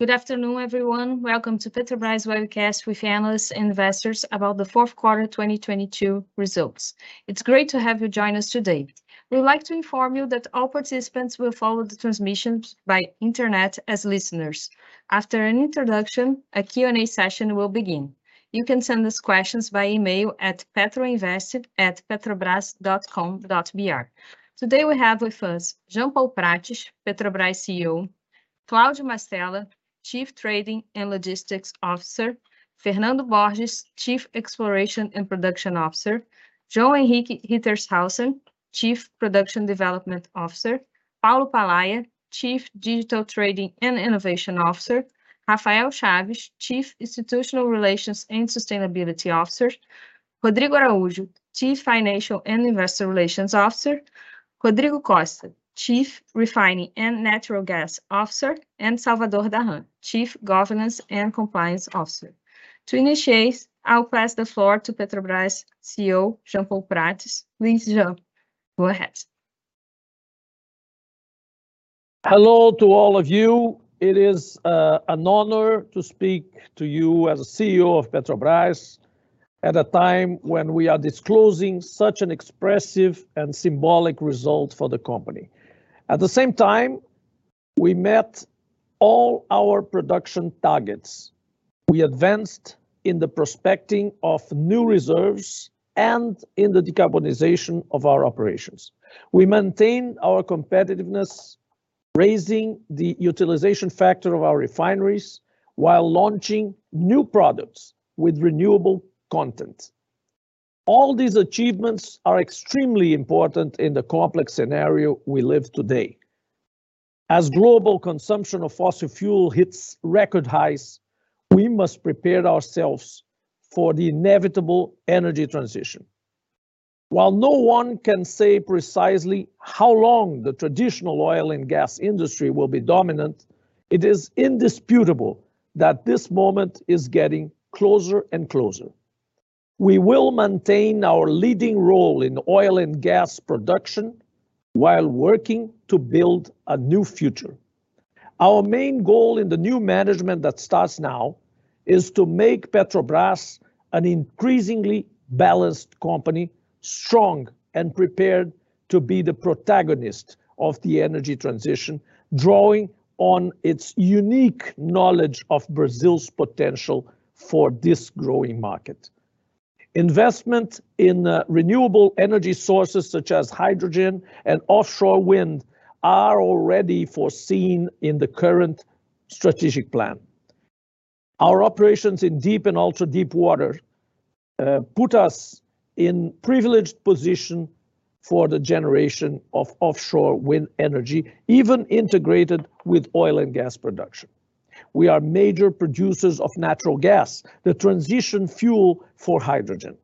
Good afternoon, everyone. Welcome to Petrobras webcast with analysts and investors about the fourth quarter 2022 results. It's great to have you join us today. We'd like to inform you that all participants will follow the transmissions by internet as listeners. After an introduction, a Q&A session will begin. You can send us questions via email at petroinvest@petrobras.com.br. Today, we have with us Jean Paul Prates, Petrobras CEO, Claudio Mastella, Chief Trading and Logistics Officer, Fernando Borges, Chief Exploration and Production Officer, João Henrique Rittershaussen, Chief Production Development Officer, Paulo Palaia, Chief Digital Trading and Innovation Officer, Rafael Chaves, Chief Institutional Relations and Sustainability Officer, Rodrigo Araujo, Chief Financial and Investor Relations Officer, Rodrigo Costa, Chief Refining and Natural Gas Officer, and Salvador Dahan, Chief Governance and Compliance Officer. To initiate, I'll pass the floor to Petrobras CEO, Jean Paul Prates. Please, Jean, go ahead. Hello to all of you. It is an honor to speak to you as CEO of Petrobras at a time when we are disclosing such an expressive and symbolic result for the company. At the same time, we met all our production targets. We advanced in the prospecting of new reserves and in the decarbonization of our operations. We maintain our competitiveness, raising the utilization factor of our refineries while launching new products with renewable content. All these achievements are extremely important in the complex scenario we live today. As global consumption of fossil fuel hits record highs, we must prepare ourselves for the inevitable energy transition. While no one can say precisely how long the traditional oil and gas industry will be dominant, it is indisputable that this moment is getting closer and closer. We will maintain our leading role in oil and gas production while working to build a new future. Our main goal in the new management that starts now is to make Petrobras an increasingly balanced company, strong and prepared to be the protagonist of the energy transition, drawing on its unique knowledge of Brazil's potential for this growing market. Investment in renewable energy sources such as hydrogen and offshore wind are already foreseen in the current strategic plan. Our operations in deep and ultra-deep water put us in privileged position for the generation of offshore wind energy, even integrated with oil and gas production. We are major producers of natural gas, the transition fuel for hydrogen.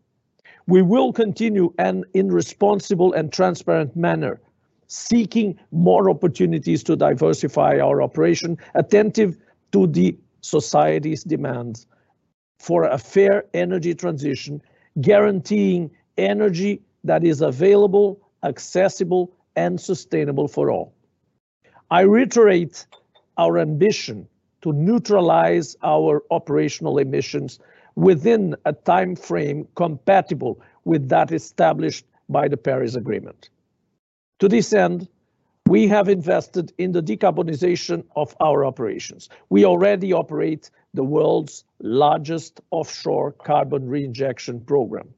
We will continue, and in responsible and transparent manner, seeking more opportunities to diversify our operation, attentive to the society's demands for a fair energy transition, guaranteeing energy that is available, accessible, and sustainable for all. I reiterate our ambition to neutralize our operational emissions within a timeframe compatible with that established by the Paris Agreement. To this end, we have invested in the decarbonization of our operations. We already operate the world's largest offshore carbon reinjection program,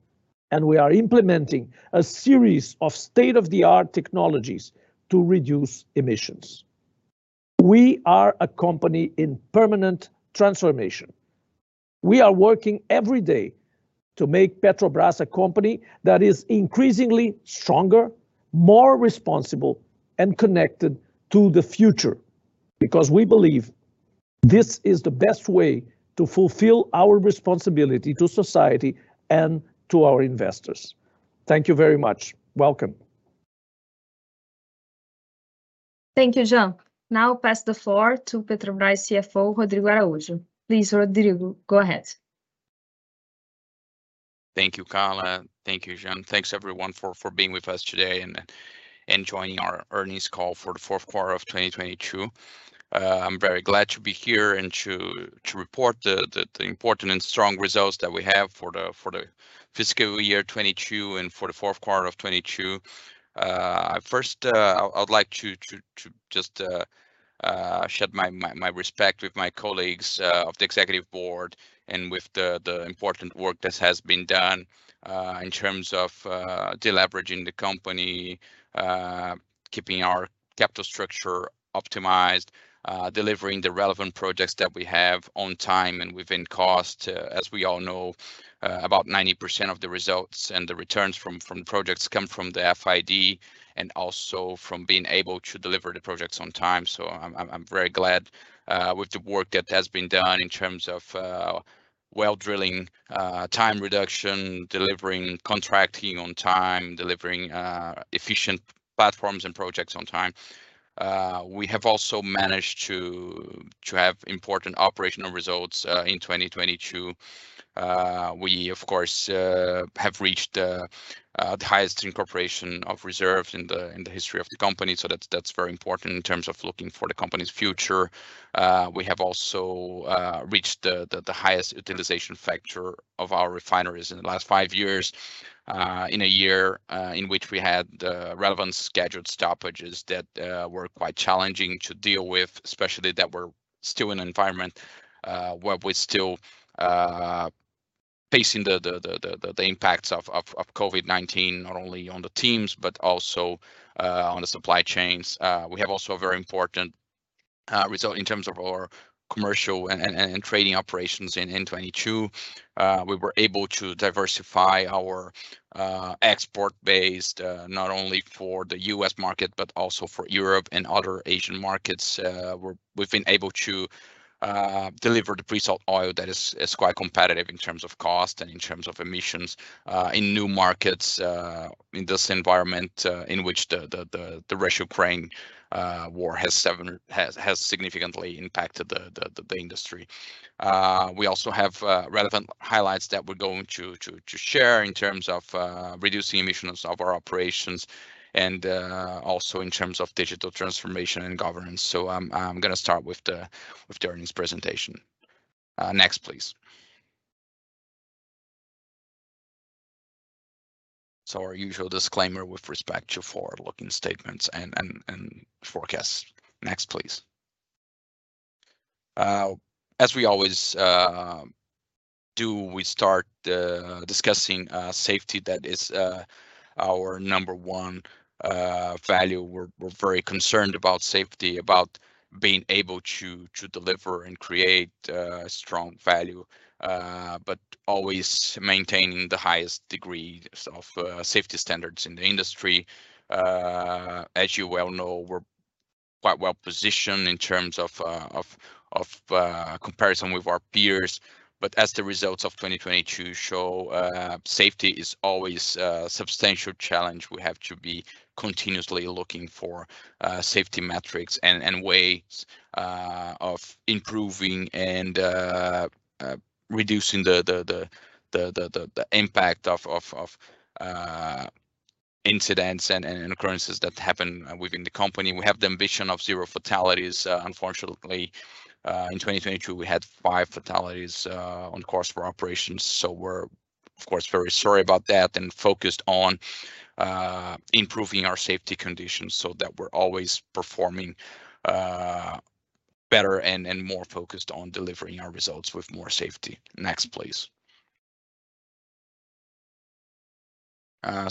and we are implementing a series of state-of-the-art technologies to reduce emissions. We are a company in permanent transformation. We are working every day to make Petrobras a company that is increasingly stronger, more responsible, and connected to the future because we believe this is the best way to fulfill our responsibility to society and to our investors. Thank you very much. Welcome. Thank you, Jean. Now I pass the floor to Petrobras CFO, Rodrigo Araujo. Please, Rodrigo, go ahead. Thank you, Carla. Thank you, Jean. Thanks everyone for being with us today and joining our earnings call for the fourth quarter of 2022. I'm very glad to be here and to report the important and strong results that we have for the fiscal year 2022 and for the fourth quarter of 2022. First, I'd like to just share my respect with my colleagues of the executive board and with the important work that has been done in terms of deleveraging the company, keeping our capital structure optimized, delivering the relevant projects that we have on time and within cost. As we all know, about 90% of the results and the returns from projects come from the FID and also from being able to deliver the projects on time. I'm very glad with the work that has been done in terms of well drilling, time reduction, delivering, contracting on time, delivering efficient platforms and projects on time. We have also managed to have important operational results in 2022. We of course have reached the highest incorporation of reserves in the history of the company, so that's very important in terms of looking for the company's future. We have also reached the highest utilization factor of our refineries in the last five years, in a year in which we had relevant scheduled stoppages that were quite challenging to deal with. Especially that we're still in an environment where we're still facing the impacts of COVID-19, not only on the teams, but also on the supply chains. We have also a very important result in terms of our commercial and trading operations in 2022. We were able to diversify our export base, not only for the U.S. market, but also for Europe and other Asian markets. We've been able to deliver the pre-salt oil that is quite competitive in terms of cost and in terms of emissions in new markets in this environment in which the Russia-Ukraine war has significantly impacted the industry. We also have relevant highlights that we're going to share in terms of reducing emissions of our operations and also in terms of digital transformation and governance. I'm gonna start with the earnings presentation. Next please. Our usual disclaimer with respect to forward-looking statements and forecasts. Next please, as we always do, we start discussing safety that is our number one value. We're very concerned about safety, about being able to deliver and create strong value, always maintaining the highest degree of safety standards in the industry. As you well know, we're quite well positioned in terms of comparison with our peers. As the results of 2022 show, safety is always a substantial challenge. We have to be continuously looking for safety metrics and ways of improving and reducing the impact of incidents and occurrences that happen within the company. We have the ambition of zero fatalities. Unfortunately, in 2022, we had five fatalities on course for operations, so we're of course, very sorry about that, and focused on improving our safety conditions so that we're always performing better and more focused on delivering our results with more safety. Next, please.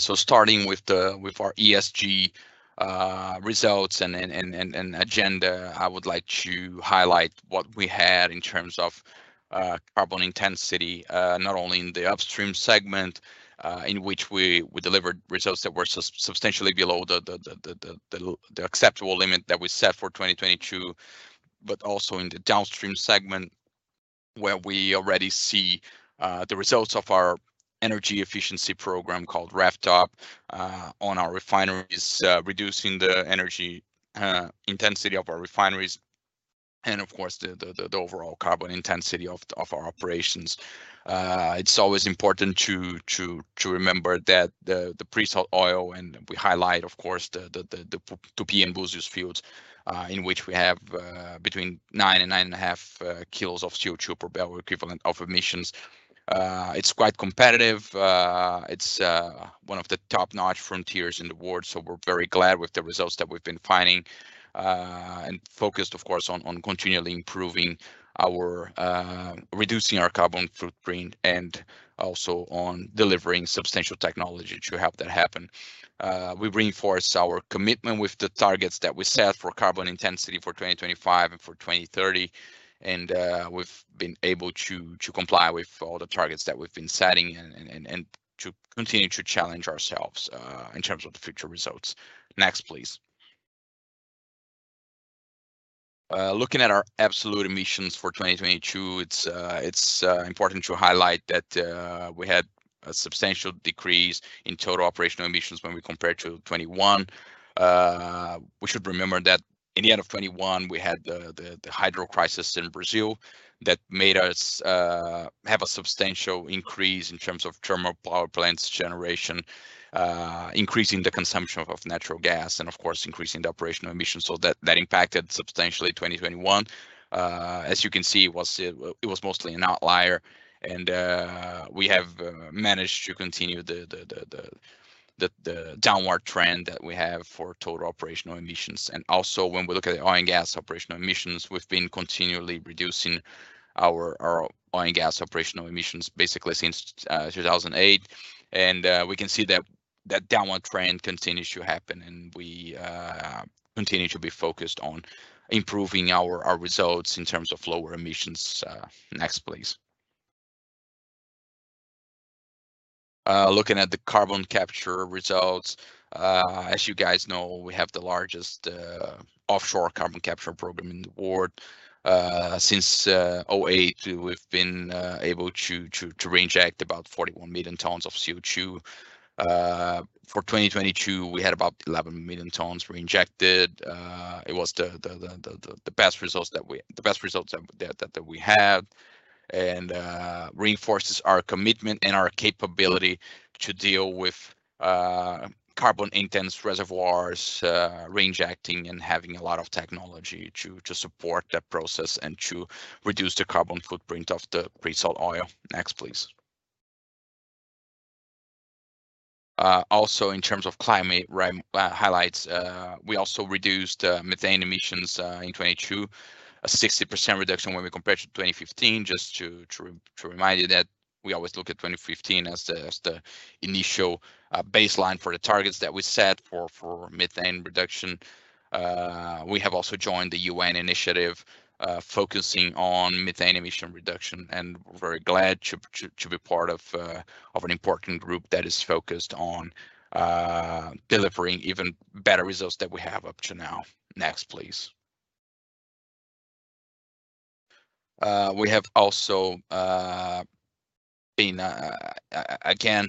Starting with our ESG results and agenda, I would like to highlight what we had in terms of carbon intensity, not only in the upstream segment, in which we delivered results that were substantially below the acceptable limit that we set for 2022, but also in the downstream segment, where we already see the results of our energy efficiency program called RefTOP on our refineries, reducing the energy intensity of our refineries and of course, the overall carbon intensity of our operations. It's always important to remember that the pre-salt oil, and we highlight, of course, the Tupi and Búzios fields, in which we have between nine and 9.5 kilos of CO2 per barrel equivalent of emissions. It's quite competitive. It's one of the top-notch frontiers in the world, so we're very glad with the results that we've been finding, and focused, of course, on continually improving our reducing our carbon footprint and also on delivering substantial technology to help that happen. We reinforce our commitment with the targets that we set for carbon intensity for 2025 and for 2030, we've been able to comply with all the targets that we've been setting and to continue to challenge ourselves in terms of the future results. Next please. Looking at our absolute emissions for 2022, it's important to highlight that we had a substantial decrease in total operational emissions when we compare to 2021. We should remember that in the end of 2021, we had the hydro crisis in Brazil that made us have a substantial increase in terms of thermal power plants generation, increasing the consumption of natural gas, and of course, increasing the operational emissions, so that impacted substantially 2021. As you can see, it was mostly an outlier. We have managed to continue the downward trend that we have for total operational emissions. Also when we look at the oil and gas operational emissions, we've been continually reducing our oil and gas operational emissions basically since 2008. We can see that that downward trend continues to happen, and we continue to be focused on improving our results in terms of lower emissions. Next please. Looking at the carbon capture results, as you guys know, we have the largest offshore carbon capture program in the world. Since 2008 we've been able to reinject about 41 million tons of CO2. For 2022, we had about 11 million tons reinjected. It was the best results that we had, and reinforces our commitment and our capability to deal with carbon intense reservoirs, reinjecting and having a lot of technology to support that process and to reduce the carbon footprint of the pre-salt oil. Next please. Also in terms of climate highlights, we also reduced methane emissions in 2022, a 60% reduction when we compare to 2015, just to remind you that we always look at 2015 as the initial baseline for the targets that we set for methane reduction. We have also joined the UN initiative focusing on methane emission reduction, and we're very glad to be part of an important group that is focused on delivering even better results that we have up to now. Next, please. We have also been again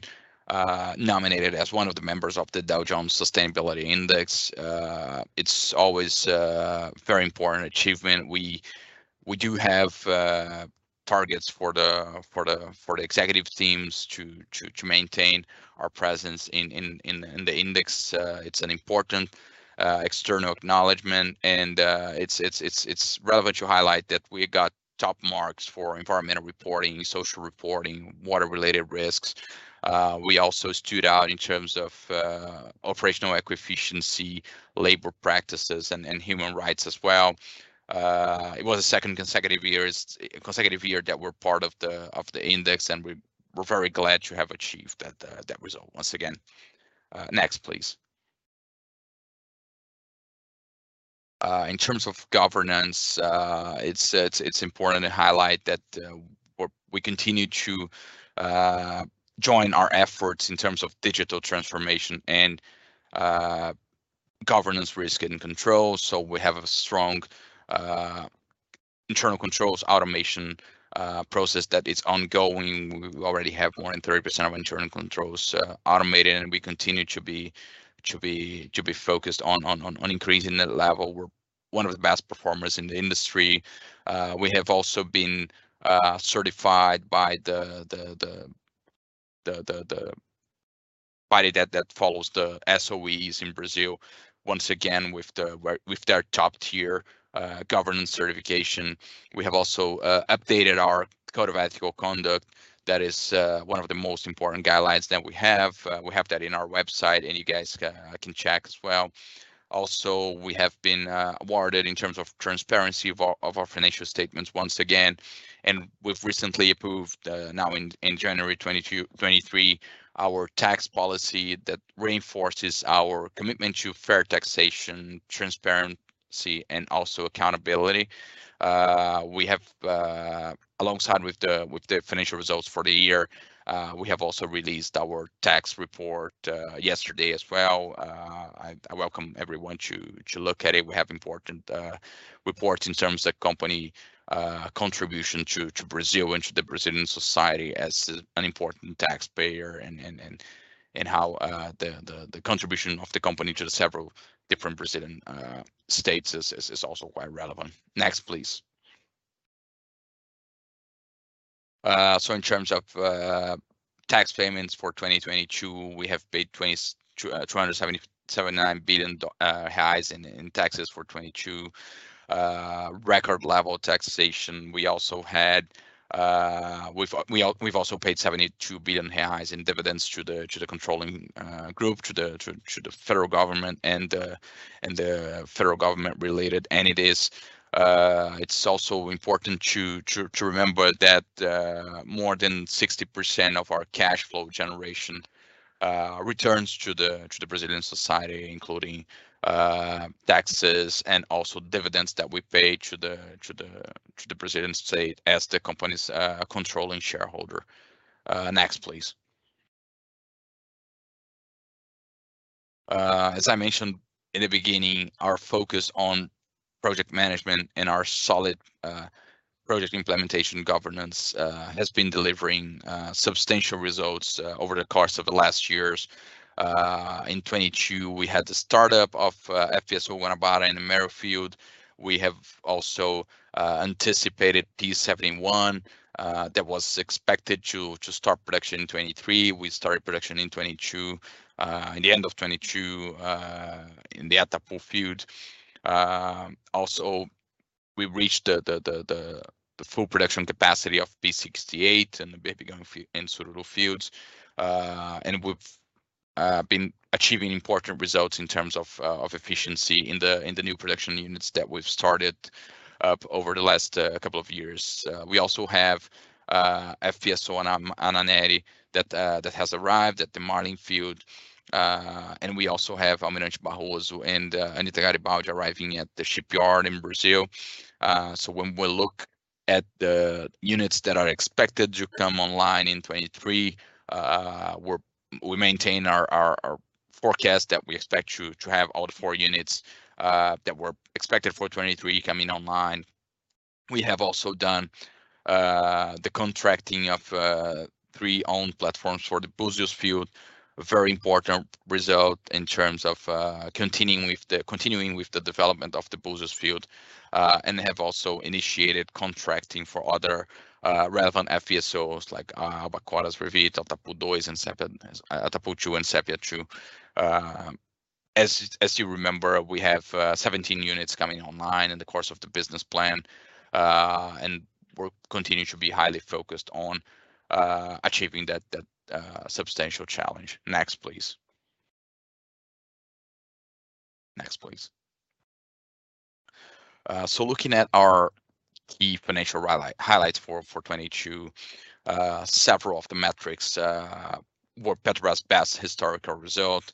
nominated as one of the members of the Dow Jones Sustainability Index. It's always a very important achievement. We do have targets for the executive teams to maintain our presence in the index. It's an important external acknowledgement and it's relevant to highlight that we got top marks for environmental reporting, social reporting, water-related risks. We also stood out in terms of operational efficiency, labor practices, and human rights as well. It was the second consecutive year that we're part of the index, and we're very glad to have achieved that result once again. Next, please. In terms of governance, it's important to highlight that we continue to join our efforts in terms of digital transformation and governance risk and control. We have a strong internal controls automation process that is ongoing. We already have more than 30% of internal controls automated, and we continue to be focused on increasing that level. We are one of the best performers in the industry. We have also been certified by the body that follows the SOEs in Brazil, once again, with their top-tier governance certification. We have also updated our code of ethical conduct. That is one of the most important guidelines that we have. We have that in our website, and you guys can check as well. We have been awarded in terms of transparency of our financial statements once again, and we've recently approved now in January 2022... 2023, our tax policy that reinforces our commitment to fair taxation, transparency, and also accountability. We have, alongside with the financial results for the year, we have also released our tax report yesterday as well. I welcome everyone to look at it. We have important reports in terms of company contribution to Brazil and to the Brazilian society as an important taxpayer and how the contribution of the company to the several different Brazilian states is also quite relevant. Next please. In terms of tax payments for 2022, we have paid 277 billion in taxes for 2022. Record level taxation. We also had, we've also paid 72 billion reais in dividends to the controlling group, to the federal government and the federal government related. It's also important to remember that more than 60% of our cash flow generation returns to the Brazilian society, including taxes and also dividends that we pay to the Brazilian state as the company's controlling shareholder. Next please. As I mentioned in the beginning, our focus on project management and our solid project implementation governance has been delivering substantial results over the course of the last years. In 2022, we had the startup of FPSO Guanabara in the Mero field. We have also anticipated P-71 that was expected to start production in 2023. We started production in 2022, in the end of 2022, in the Atapu field. Also, we reached the full production capacity of P-68 and the Berbigão in Sururu fields. We've been achieving important results in terms of efficiency in the, in the new production units that we've started up over the last couple of years. We also have FPSO Anna Nery that has arrived at the Marlim field. We also have Almirante Barroso and Anita Garibaldi arriving at the shipyard in Brazil. When we look at the units that are expected to come online in 2023, we maintain our forecast that we expect to have all the four units that were expected for 2023 coming online. We have also done the contracting of three owned platforms for the Búzios field, a very important result in terms of continuing with the development of the Búzios field. Have also initiated contracting for other relevant FPSOs, like Albacora, Atapu-2 and Atapu-2 and Sépia 2. As you remember, we have 17 units coming online in the course of the business plan, we're continuing to be highly focused on achieving that substantial challenge. Next please. Next please. Looking at our key financial highlights for 2022, several of the metrics were Petrobras' best historical result.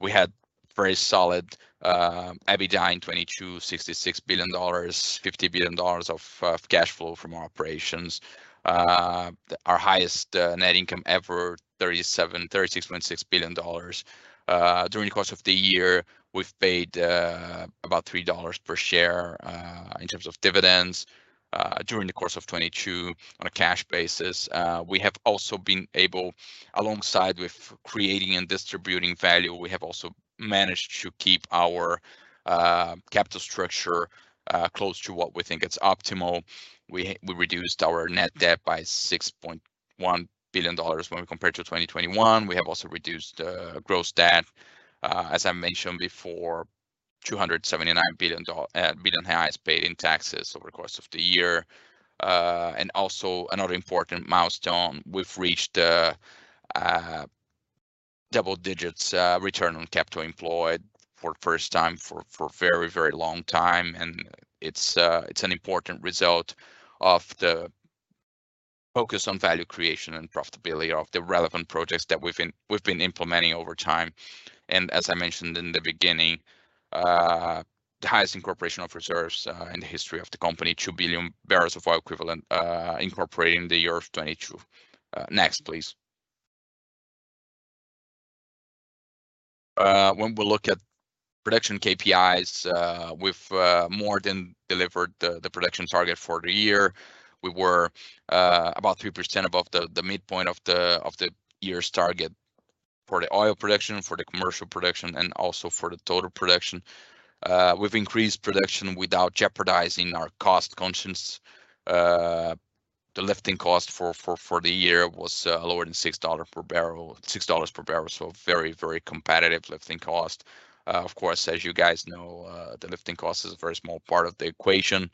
We had very solid EBITDA in 2022, $66 billion, $50 billion of cash flow from our operations. Our highest net income ever, $36.6 billion. During the course of the year, we've paid about $3 per share in terms of dividends during the course of 2022 on a cash basis. We have also been able, alongside with creating and distributing value, we have also managed to keep our capital structure close to what we think it's optimal. We reduced our net debt by $6.1 billion when we compare to 2021. We have also reduced gross debt. As I mentioned before, 279 billion reais paid in taxes over the course of the year. Also another important milestone, we've reached double digits return on capital employed for the first time for a very, very long time, and it's an important result of the focus on value creation and profitability of the relevant projects that we've been implementing over time. As I mentioned in the beginning, the highest incorporation of reserves in the history of the company, two billion barrels of oil equivalent, incorporating the year of 2022. Next please. When we look at production KPIs, we've more than delivered the production target for the year. We were about 3% above the midpoint of the year's target for the oil production, for the commercial production, and also for the total production. We've increased production without jeopardizing our cost conscience. The lifting cost for the year was lower than $6 per barrel, so very competitive lifting cost. Of course, as you guys know, the lifting cost is a very small part of the equation.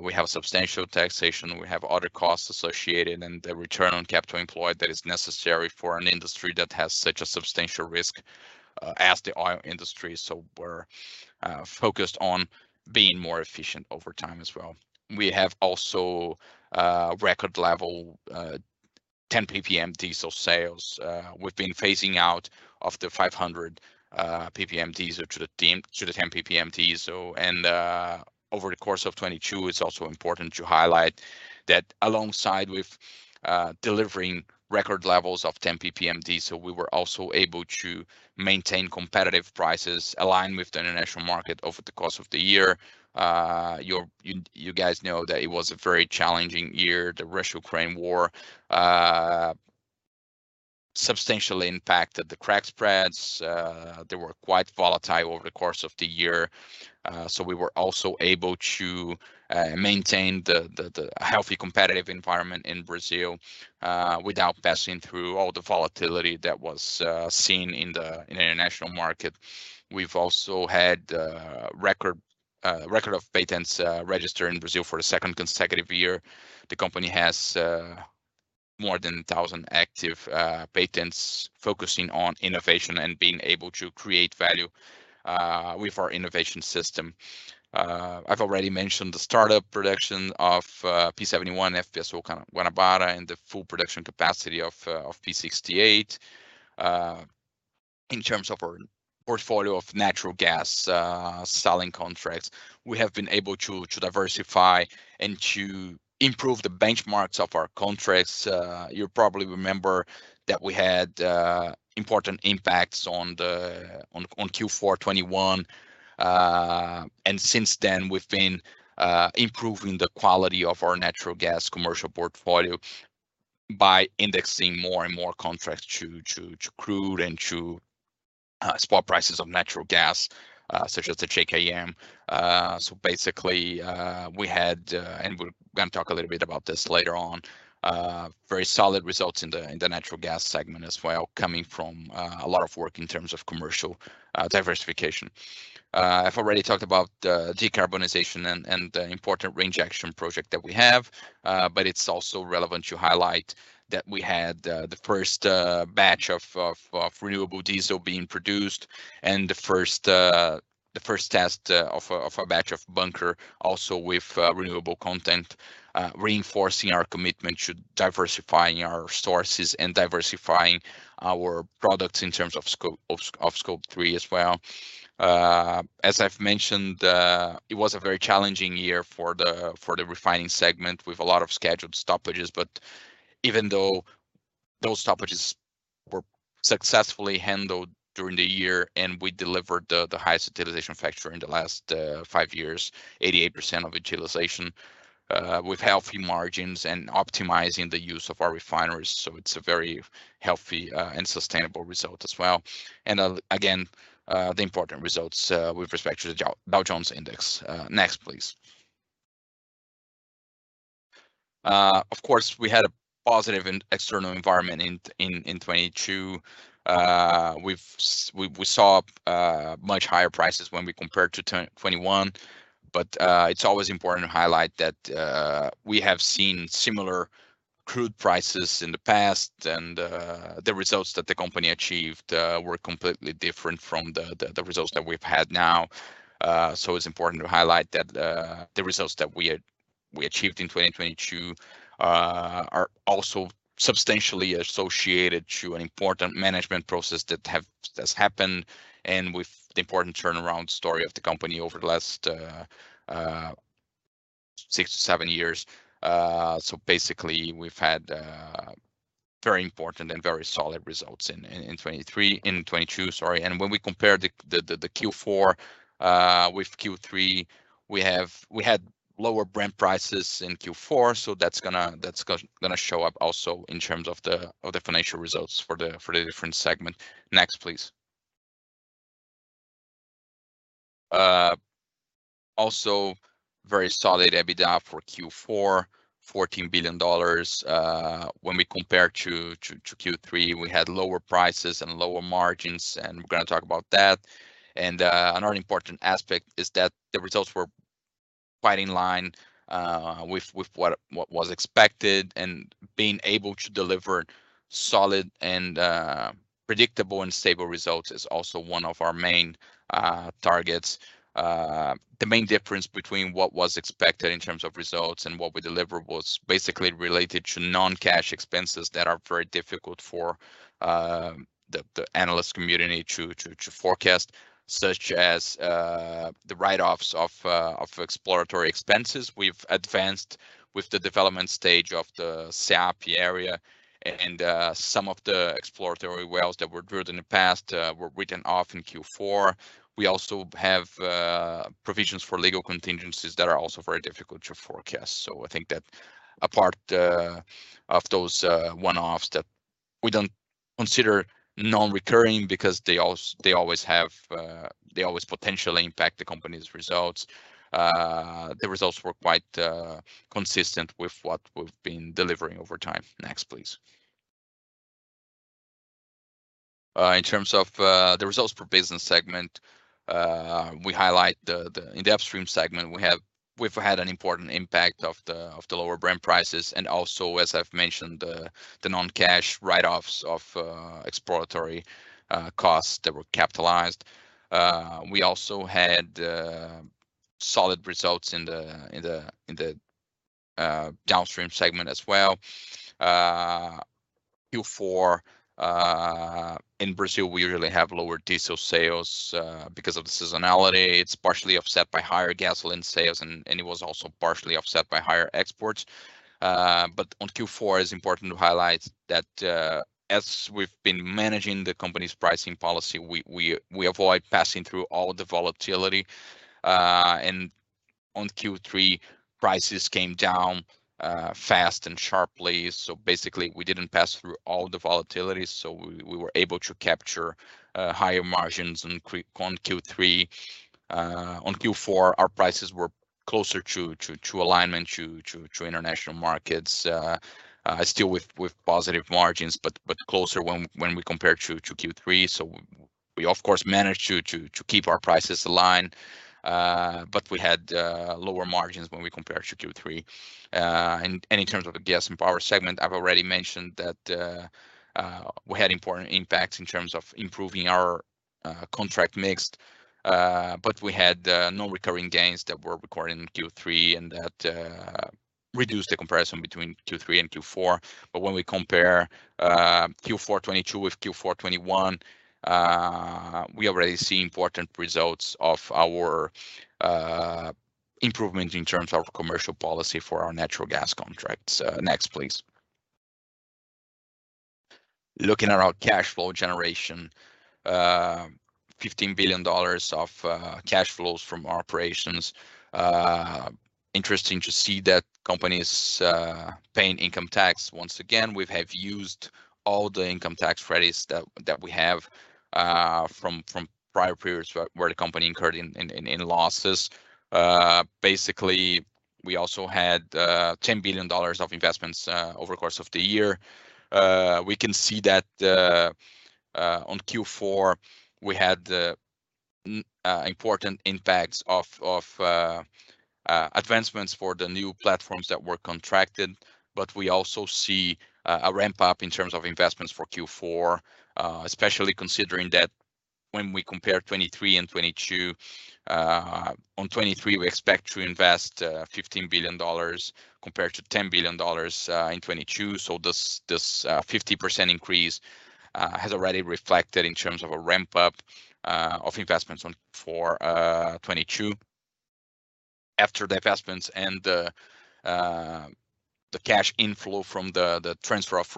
We have substantial taxation, we have other costs associated, and the return on capital employed that is necessary for an industry that has such a substantial risk as the oil industry. We're focused on being more efficient over time as well. We have also record level 10 ppm diesel sales. We've been phasing out of the S-500 diesel to the S-10 diesel. Over the course of 2022, it's also important to highlight that alongside with delivering record levels of S-10 diesel, we were also able to maintain competitive prices aligned with the international market over the course of the year. You guys know that it was a very challenging year. The Russia-Ukraine War substantially impacted the crack spreads. They were quite volatile over the course of the year. We were also able to maintain the healthy competitive environment in Brazil without passing through all the volatility that was seen in the international market. We've also had record of patents registered in Brazil for the second consecutive year. The company has more than 1,000 active patents focusing on innovation and being able to create value with our innovation system. I've already mentioned the startup production of P-71 FPSO Guanabara, and the full production capacity of P-68. In terms of our portfolio of natural gas selling contracts, we have been able to diversify and to improve the benchmarks of our contracts. You probably remember that we had important impacts on Q4 2021. Since then, we've been improving the quality of our natural gas commercial portfolio by indexing more and more contracts to crude and to spot prices of natural gas, such as the JKM. Basically, we had, and we're gonna talk a little bit about this later on, very solid results in the natural gas segment as well, coming from a lot of work in terms of commercial diversification. I've already talked about the decarbonization and the important range action project that we have, but it's also relevant to highlight that we had the first batch of renewable diesel being produced and the first the first test of a batch of bunker also with renewable content, reinforcing our commitment to diversifying our sources and diversifying our products in terms of Scope three as well. As I've mentioned, it was a very challenging year for the refining segment with a lot of scheduled stoppages. Even though those stoppages were successfully handled during the year, we delivered the highest utilization factor in the last five years, 88% of utilization, with healthy margins and optimizing the use of our refineries, it's a very healthy and sustainable result as well. Again, the important results with respect to the Dow Jones index. Next please. Of course, we had a positive external environment in 2022. We saw much higher prices when we compared to 2021, it's always important to highlight that we have seen similar crude prices in the past and the results that the company achieved were completely different from the results that we've had now. It's important to highlight that the results that we had, we achieved in 2022, are also substantially associated to an important management process that's happened and with the important turnaround story of the company over the last six to seven years. Basically we've had very important and very solid results in 2023, in 2022, sorry. When we compare the Q4 with Q3, we had lower Brent prices in Q4, so that's gonna show up also in terms of the financial results for the different segment. Next please. Also very solid EBITDA for Q4, $14 billion. When we compare to Q3, we had lower prices and lower margins, and we're gonna talk about that. Another important aspect is that the results were quite in line with what was expected, and being able to deliver solid and predictable and stable results is also one of our main targets. The main difference between what was expected in terms of results and what we delivered was basically related to non-cash expenses that are very difficult for the analyst community to forecast, such as the write-offs of exploratory expenses. We've advanced with the development stage of the Sépia area, some of the exploratory wells that were drilled in the past were written off in Q4. We also have provisions for legal contingencies that are also very difficult to forecast. I think that apart of those one-offs that we don't consider non-recurring because they always have, they always potentially impact the company's results. The results were quite consistent with what we've been delivering over time. Next please. In terms of the results per business segment, we highlight the in the upstream segment, we've had an important impact of the lower Brent prices and also, as I've mentioned, the non-cash write-offs of exploratory costs that were capitalized. We also had solid results in the downstream segment as well. Q4 in Brazil, we usually have lower diesel sales because of the seasonality. It's partially offset by higher gasoline sales and it was also partially offset by higher exports. On Q4, it's important to highlight that as we've been managing the company's pricing policy, we avoid passing through all of the volatility. On Q3, prices came down fast and sharply, so basically we didn't pass through all the volatility, so we were able to capture higher margins on Q3. On Q4, our prices were closer to alignment to international markets, still with positive margins, but closer when we compare to Q3. We of course managed to keep our prices aligned, but we had lower margins when we compare to Q3. And in terms of the gas and power segment, I've already mentioned that we had important impacts in terms of improving our contract mix, but we had no recurring gains that were recorded in Q3 and that reduced the comparison between Q3 and Q4. When we compare Q4 2022 with Q4 2021, we already see important results of our improvement in terms of commercial policy for our natural gas contracts. Next please. Looking at our cash flow generation, $15 billion of cash flows from our operations. Interesting to see that company's paying income tax. Once again, we have used all the income tax credits that we have from prior periods where the company incurred in losses. Basically, we also had $10 billion of investments over the course of the year. We can see that on Q4, we had important impacts of advancements for the new platforms that were contracted, but we also see a ramp-up in terms of investments for Q4, especially considering that when we compare 2023 and 2022, on 2023, we expect to invest $15 billion compared to $10 billion in 2022. This 50% increase has already reflected in terms of a ramp-up of investments for 2022. After the investments and the cash inflow from the Transfer of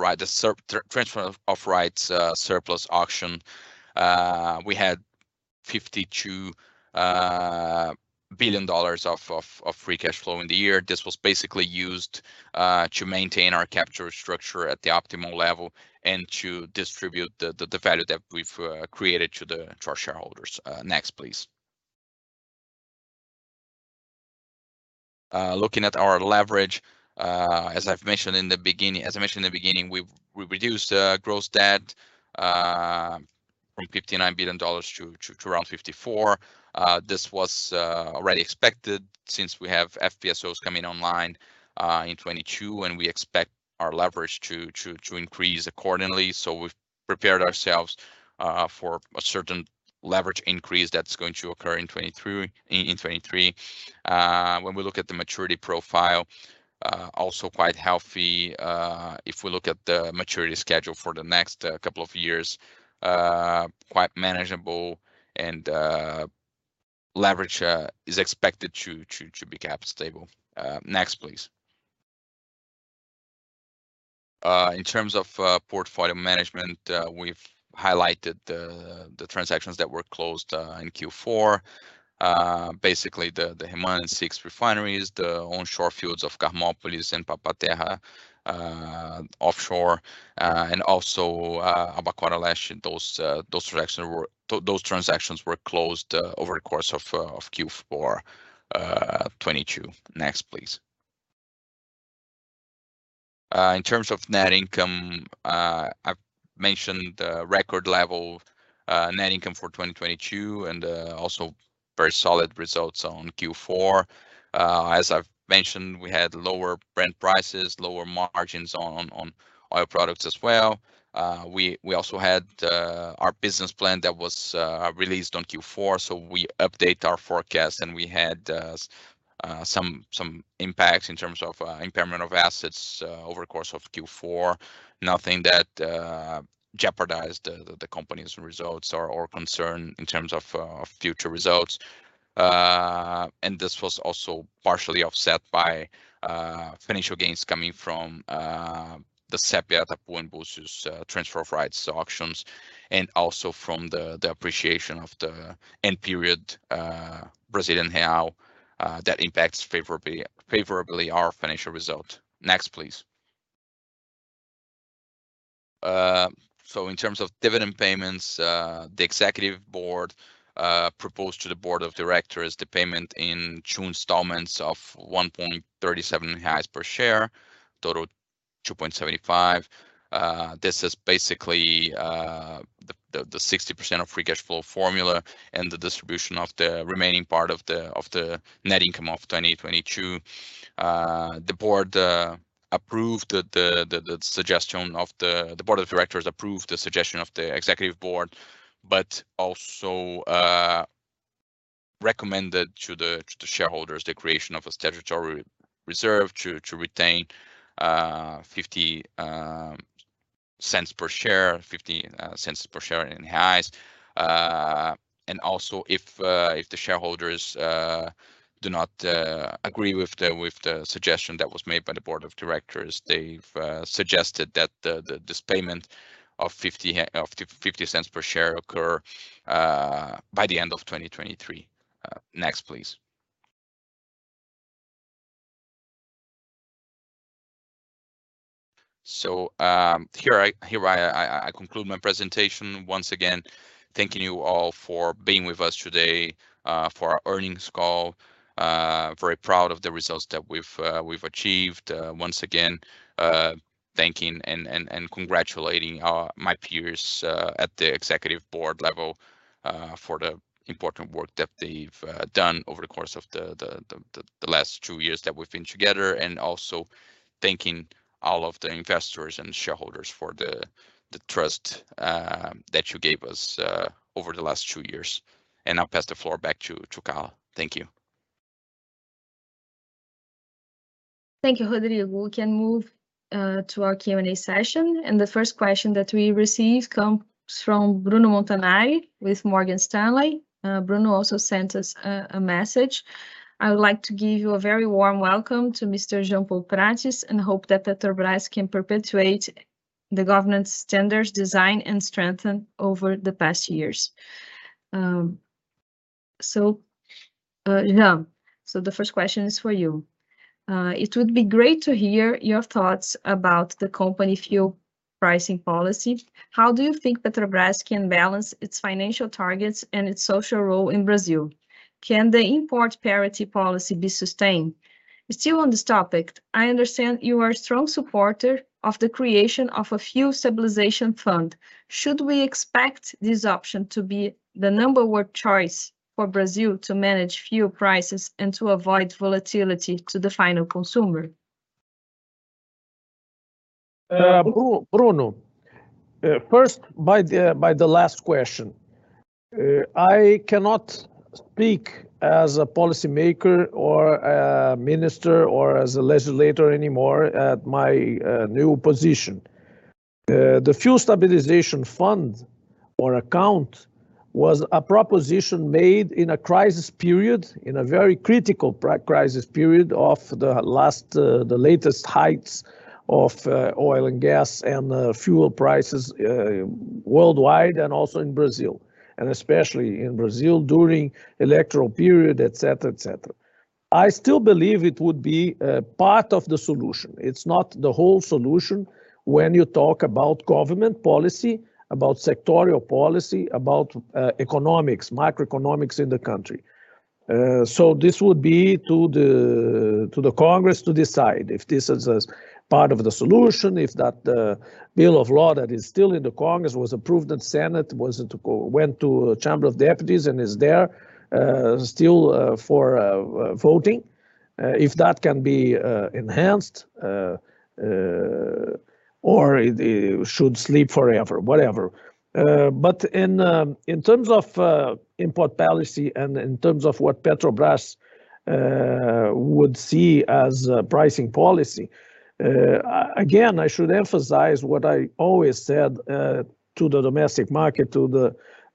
Rights surplus auction, we had $52 billion of free cash flow in the year. This was basically used to maintain our capture structure at the optimal level and to distribute the value that we've created to our shareholders. Next, please. Looking at our leverage, as I've mentioned in the beginning, we've reduced gross debt from $59 billion to around $54. This was already expected since we have FPSOs coming online in 2022, and we expect our leverage to increase accordingly. We've prepared ourselves for a certain leverage increase that's going to occur in 2023. When we look at the maturity profile, also quite healthy. If we look at the maturity schedule for the next couple of years, quite manageable and leverage is expected to be kept stable. Next, please. In terms of portfolio management, we've highlighted the transactions that were closed in Q4. Basically the and Six refineries, the onshore fields of Camopolis and Papaterra, offshore, and also Albacora, those transactions were closed over the course of Q4 2022. Next, please. In terms of net income, I've mentioned the record level net income for 2022, and also very solid results on Q4. As I've mentioned, we had lower Brent prices, lower margins on oil products as well. we also had our business plan that was released on Q4, so we update our forecast, and we had some impacts in terms of impairment of assets over the course of Q4. Nothing that jeopardized the company's results or concern in terms of future results. And this was also partially offset by financial gains coming from the Sépia, Atapu and Búzios Transfer of Rights auctions, and also from the appreciation of the end period Brazilian real that impacts favorably our financial result. Next, please. In terms of dividend payments, the executive board proposed to the board of directors the payment in two installments of 1.37 reais per share, total 2.75 reais. This is basically the 60% of free cash flow formula and the distribution of the remaining part of the net income of 2022. The Board of Directors approved the suggestion of the executive Board, also recommended to the shareholders the creation of a statutory reserve to retain 0.50 per share. Also if the shareholders do not agree with the suggestion that was made by the Board of Directors, they've suggested that this payment of 0.50 per share occur by the end of 2023. Next please. Here I conclude my presentation. Once again, thanking you all for being with us today, for our earnings call. Very proud of the results that we've achieved. Once again, thanking and congratulating, my peers, at the executive board level, for the important work that they've done over the course of the last two years that we've been together. Also thanking all of the investors and shareholders for the trust, that you gave us, over the last two years. I'll pass the floor back to Carla. Thank you. Thank you, Rodrigo. We can move to our Q&A session. The first question that we received comes from Bruno Montanari with Morgan Stanley. Bruno also sent us a message. I would like to give you a very warm welcome to Mr. Jean Paul Prates and hope that Petrobras can perpetuate the governance standards designed and strengthened over the past years. Jean, the first question is for you. It would be great to hear your thoughts about the company fuel pricing policy. How do you think Petrobras can balance its financial targets and its social role in Brazil? Can the import parity policy be sustained? Still on this topic, I understand you are a strong supporter of the creation of a fuel stabilization fund. Should we expect this option to be the number one choice for Brazil to manage fuel prices and to avoid volatility to the final consumer? Bruno, first, by the last question, I cannot speak as a policy maker or a minister or as a legislator anymore at my new position. The fuel stabilization fund or account was a proposition made in a crisis period, in a very critical crisis period of the last, the latest heights of oil and gas and fuel prices, worldwide, and also in Brazil. Especially in Brazil during electoral period, et cetera, et cetera. I still believe it would be a part of the solution. It's not the whole solution when you talk about government policy, about sectorial policy, about economics, microeconomics in the country. This would be to the Congress to decide if this is part of the solution, if that bill of law that is still in the Congress was approved at Senate, was to go, went to Chamber of Deputies and is there still for voting, if that can be enhanced, or it should sleep forever, whatever. In terms of import policy and in terms of what Petrobras would see as a pricing policy, again, I should emphasize what I always said to the domestic market, to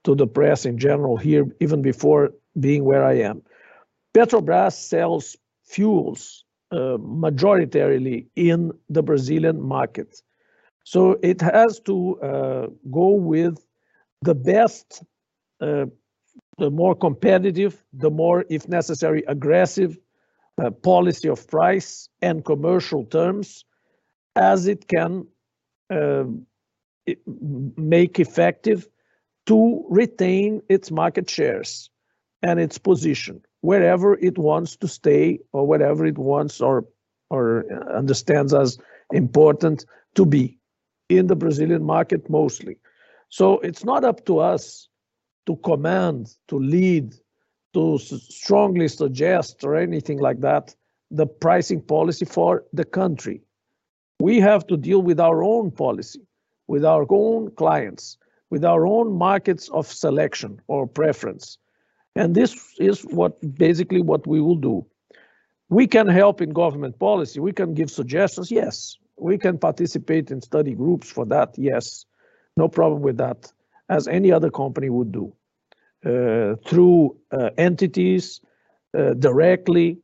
the press in general here, even before being where I am. Petrobras sells fuels majoritarily in the Brazilian market, it has to go with the best, the more competitive, the more, if necessary, aggressive, policy of price and commercial terms as it can make effective to retain its market shares and its position wherever it wants to stay or whatever it wants or understands as important to be in the Brazilian market mostly. It's not up to us to command, to lead, to strongly suggest or anything like that, the pricing policy for the country. We have to deal with our own policy, with our own clients, with our own markets of selection or preference, this is what, basically what we will do. We can help in government policy. We can give suggestions, yes. We can participate in study groups for that, yes. No problem with that, as any other company would do, through entities, directly.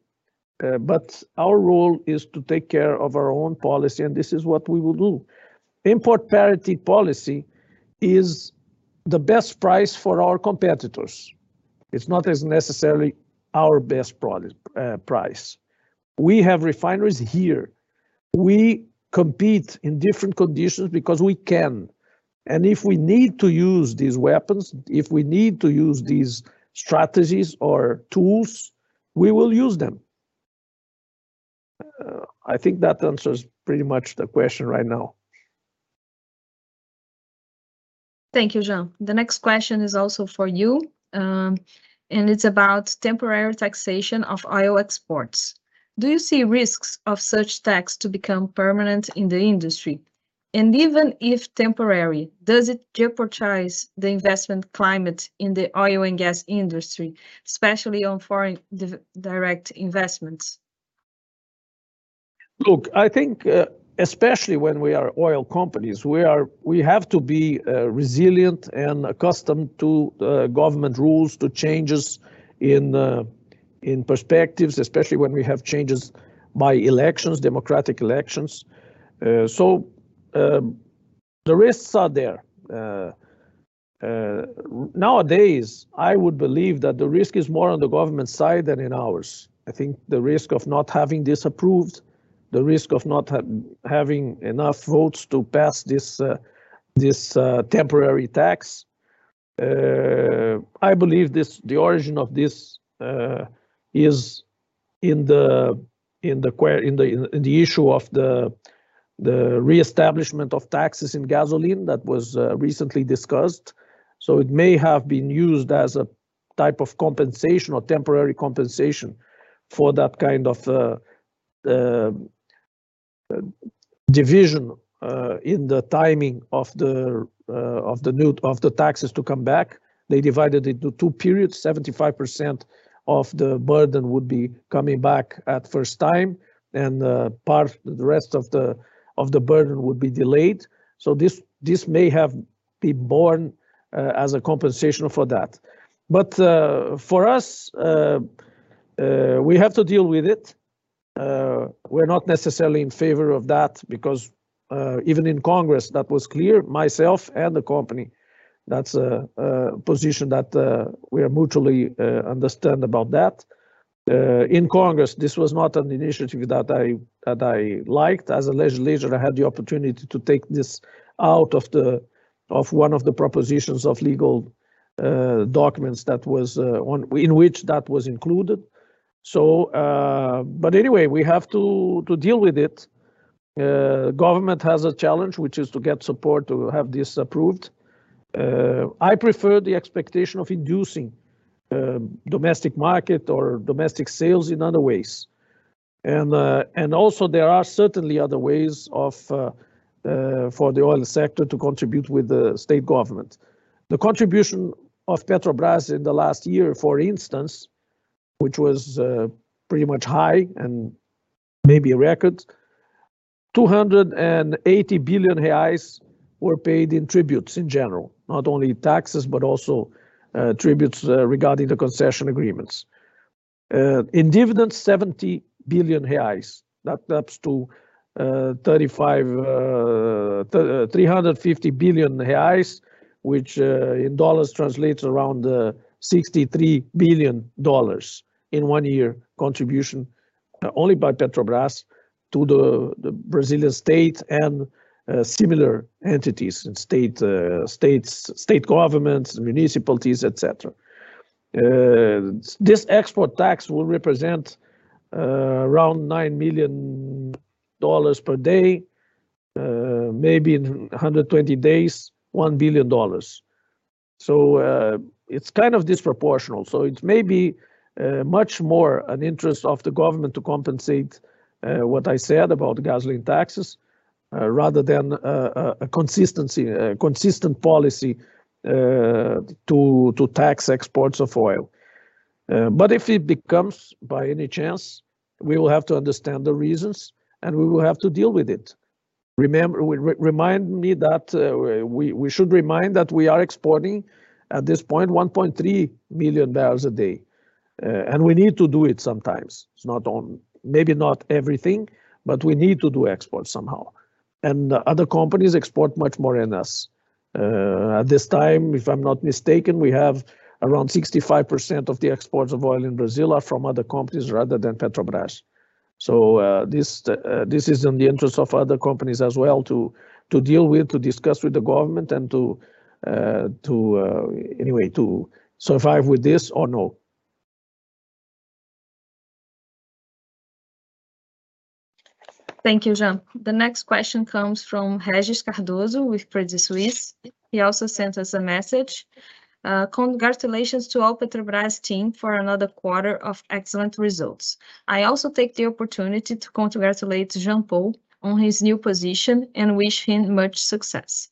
Our role is to take care of our own policy, and this is what we will do. Import parity policy is the best price for our competitors. It's not as necessarily our best product price. We have refineries here. We compete in different conditions because we can, and if we need to use these weapons, if we need to use these strategies or tools, we will use them. I think that answers pretty much the question right now. Thank you, Jean. The next question is also for you, and it's about temporary taxation of oil exports. Do you see risks of such tax to become permanent in the industry? Even if temporary, does it jeopardize the investment climate in the oil and gas industry, especially on foreign direct investments? I think, especially when we are oil companies, we have to be resilient and accustomed to government rules, to changes in perspectives, especially when we have changes by elections, democratic elections. The risks are there. Nowadays I would believe that the risk is more on the government side than in ours. I think the risk of not having this approved, the risk of not having enough votes to pass this temporary tax, I believe this, the origin of this, is in the issue of the reestablishment of taxes in gasoline that was recently discussed, so it may have been used as a type of compensation or temporary compensation for that kind of division, in the timing of the new, of the taxes to come back. They divided into two periods, 75% of the burden would be coming back at first time, and part, the rest of the burden would be delayed, so this may have been born as a compensation for that. For us, we have to deal with it. We're not necessarily in favor of that because even in Congress, that was clear, myself and the company. That's a position that we are mutually understand about that. In Congress, this was not an initiative that I, that I liked. As a legislator, I had the opportunity to take this out of the, of one of the propositions of legal documents that was on, in which that was included. But anyway, we have to deal with it. Government has a challenge, which is to get support to have this approved. I prefer the expectation of inducing domestic market or domestic sales in other ways. There are certainly other ways for the oil sector to contribute with the state government. The contribution of Petrobras in the last year, for instance, which was pretty much high and maybe a record. 280 billion reais were paid in tributes in general, not only taxes, but also tributes regarding the concession agreements. In dividends, 70 billion reais. That's to 350 billion reais which in dollars translates around $63 billion in one year contribution only by Petrobras to the Brazilian state and similar entities in state states, state governments, municipalities, et cetera. This export tax will represent around $9 million per day, maybe in 120 days $1 billion. It's kind of disproportional. It may be much more an interest of the government to compensate what I said about gasoline taxes rather than a consistent policy to tax exports of oil. If it becomes by any chance, we will have to understand the reasons, and we will have to deal with it. Remember, remind me that we should remind that we are exporting at this point 1.3 million barrels a day. We need to do it sometimes. It's not Maybe not everything, but we need to do exports somehow, and other companies export much more than us. At this time, if I'm not mistaken, we have around 65% of the exports of oil in Brazil are from other companies rather than Petrobras. This, this is in the interest of other companies as well to deal with, to discuss with the government and to, anyway, to survive with this or no? Thank you, Jean. The next question comes from Regis Cardoso with Credit Suisse. He also sent us a message. Congratulations to all Petrobras team for another quarter of excellent results. I also take the opportunity to congratulate Jean Paul on his new position and wish him much success.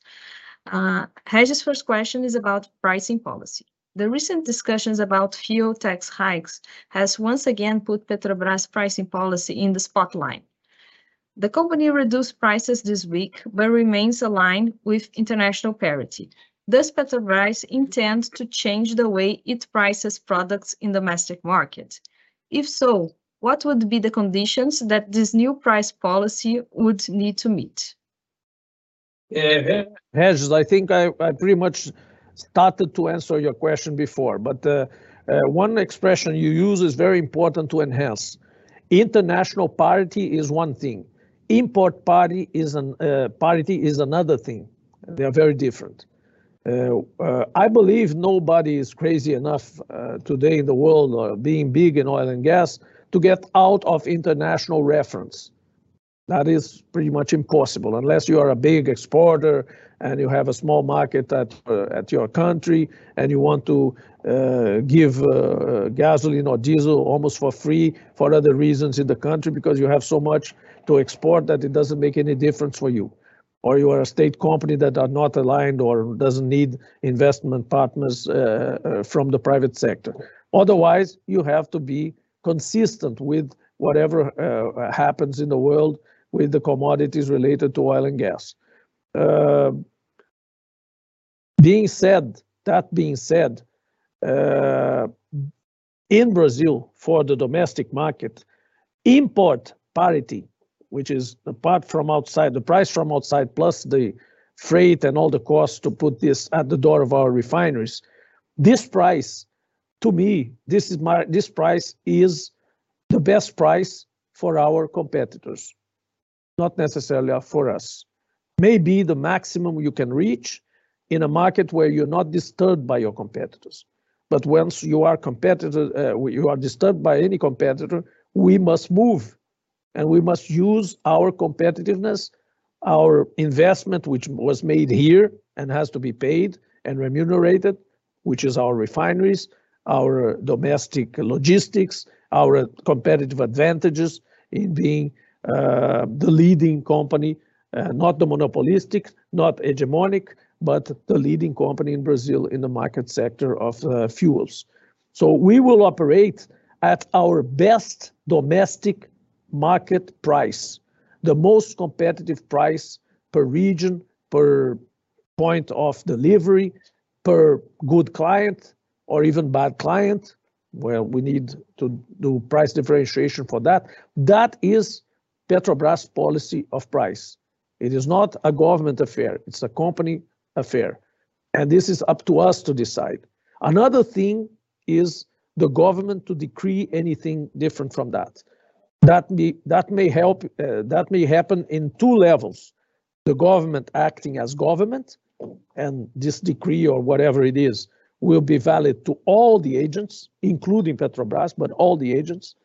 Regis' first question is about pricing policy. The recent discussions about fuel tax hikes has once again put Petrobras' pricing policy in the spotlight. The company reduced prices this week, but remains aligned with international parity. Does Petrobras intend to change the way it prices products in domestic market? If so, what would be the conditions that this new price policy would need to meet? Regis, I think I pretty much started to answer your question before, one expression you use is very important to enhance. International parity is one thing. Import parity is another thing. They are very different. I believe nobody is crazy enough today in the world, being big in oil and gas to get out of international reference. That is pretty much impossible unless you are a big exporter and you have a small market at your country, and you want to give gasoline or diesel almost for free for other reasons in the country because you have so much to export that it doesn't make any difference for you, or you are a state company that are not aligned or doesn't need investment partners from the private sector. Otherwise, you have to be consistent with whatever happens in the world with the commodities related to oil and gas. That being said, in Brazil, for the domestic market, import parity, which is apart from outside, the price from outside plus the freight and all the cost to put this at the door of our refineries. This price is the best price for our competitors, not necessarily for us, maybe the maximum you can reach in a market where you're not disturbed by your competitors. Once you are competitor, you are disturbed by any competitor, we must move, and we must use our competitiveness, our investment, which was made here and has to be paid and remunerated, which is our refineries, our domestic logistics, our competitive advantages in being, the leading company, not the monopolistic, not hegemonic, but the leading company in Brazil in the market sector of fuels. We will operate at our best domestic market price, the most competitive price per region, per point of delivery, per good client or even bad client, where we need to do price differentiation for that. That is Petrobras policy of price. It is not a government affair, it's a company affair, and this is up to us to decide. Another thing is the government to decree anything different from that. That may help, that may happen in two levels, the government acting as government, and this decree, or whatever it is, will be valid to all the agents, including Petrobras, but all the agents.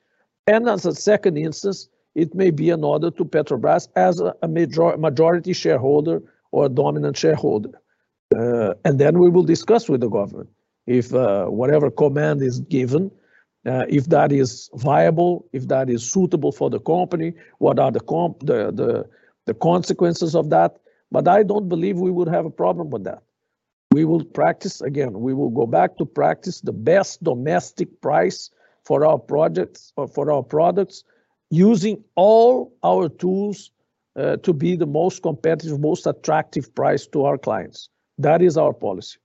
As a second instance, it may be an order to Petrobras as a majority shareholder or a dominant shareholder. Then we will discuss with the government if whatever command is given, if that is viable, if that is suitable for the company, what are the consequences of that, but I don't believe we would have a problem with that. We will practice again. We will go back to practice the best domestic price for our projects or for our products using all our tools to be the most competitive, most attractive price to our clients. That is our policy.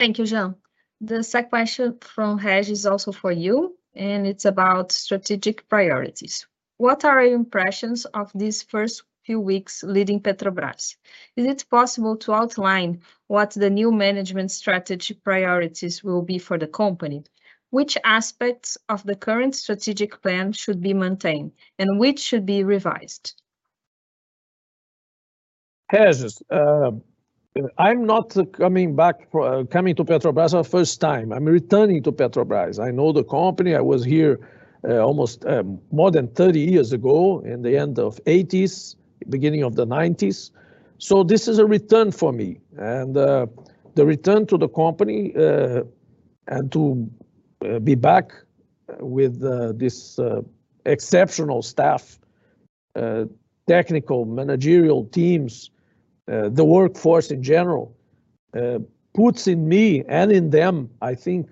Thank you, Jean. The second question from Regis is also for you, and it's about strategic priorities. What are your impressions of these first few weeks leading Petrobras? Is it possible to outline what the new management strategy priorities will be for the company? Which aspects of the current strategic plan should be maintained, and which should be revised? I'm not coming back for coming to Petrobras a first time. I'm returning to Petrobras. I know the company. I was here almost more than 30 years ago in the end of 1980s, beginning of the 1990s. This is a return for me. The return to the company and to be back with this exceptional staff, technical managerial teams, the workforce in general, puts in me and in them, I think,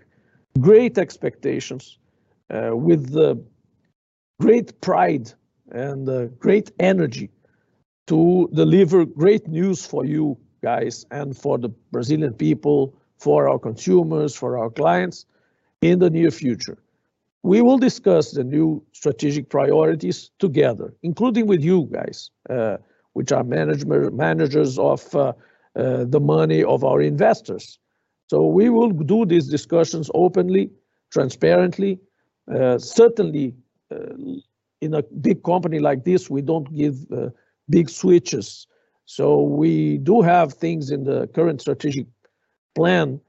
great expectations with the great pride and great energy to deliver great news for you guys and for the Brazilian people, for our consumers, for our clients in the near future. We will discuss the new strategic priorities together, including with you guys, which are management, managers of the money of our investors. We will do these discussions openly, transparently. Certainly, in a big company like this, we don't give, big switches. We do have things in the current strategic plan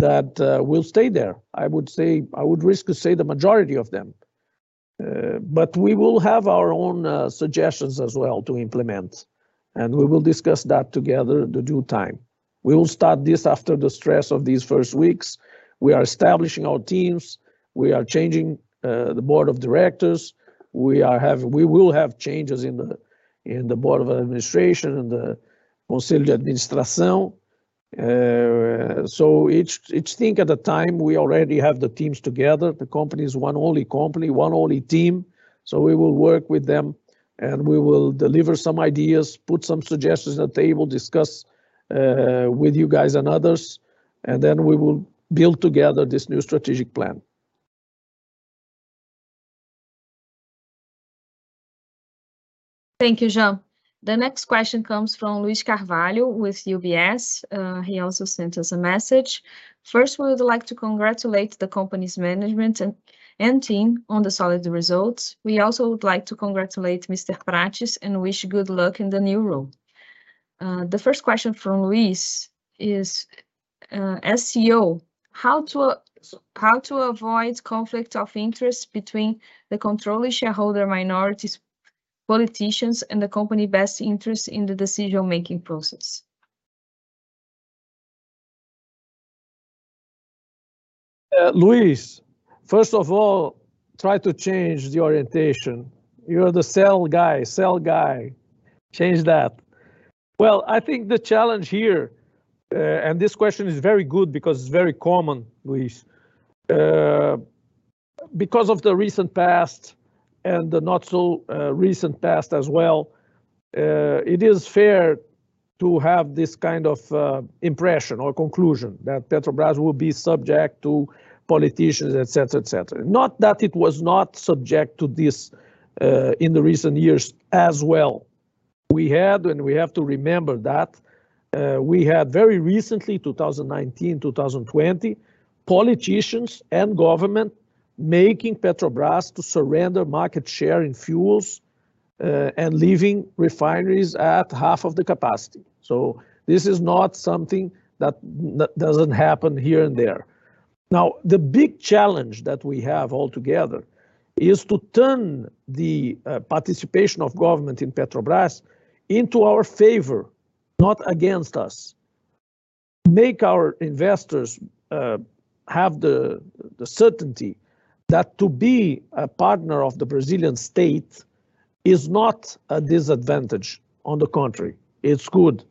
that, will stay there, I would say... I would risk to say the majority of them. We will have our own, suggestions as well to implement, and we will discuss that together the due time. We will start this after the stress of these first weeks. We are establishing our teams. We are changing, the board of directors. We will have changes in the board of administration, in the Conselho de Administração. Each thing at a time. We already have the teams together. The company is one only company, one only team, so we will work with them, and we will deliver some ideas, put some suggestions on the table, discuss with you guys and others, and then we will build together this new strategic plan. Thank you, Jean. The next question comes from Luiz Carvalho with UBS. He also sent us a message. First, we would like to congratulate the company's management and team on the solid results. We also would like to congratulate Mr. Prates and wish good luck in the new role. The first question from Luiz is, "As CEO, how to avoid conflict of interest between the controlling shareholder minorities, politicians and the company best interest in the decision-making process? Luiz, first of all, try to change the orientation. You are the sell guy. Sell guy. Change that. Well, I think the challenge here, this question is very good because it's very common, Luiz. Because of the recent past and the not so recent past as well, it is fair to have this kind of impression or conclusion that Petrobras will be subject to politicians, et cetera, et cetera. Not that it was not subject to this in the recent years as well. We had, we have to remember that, we had very recently, 2019, 2020, politicians and government making Petrobras to surrender market share in fuels, and leaving refineries at half of the capacity. This is not something that doesn't happen here and there. The big challenge that we have altogether is to turn the participation of government in Petrobras into our favor, not against us, make our investors have the certainty that to be a partner of the Brazilian state is not a disadvantage. On the contrary, it's good.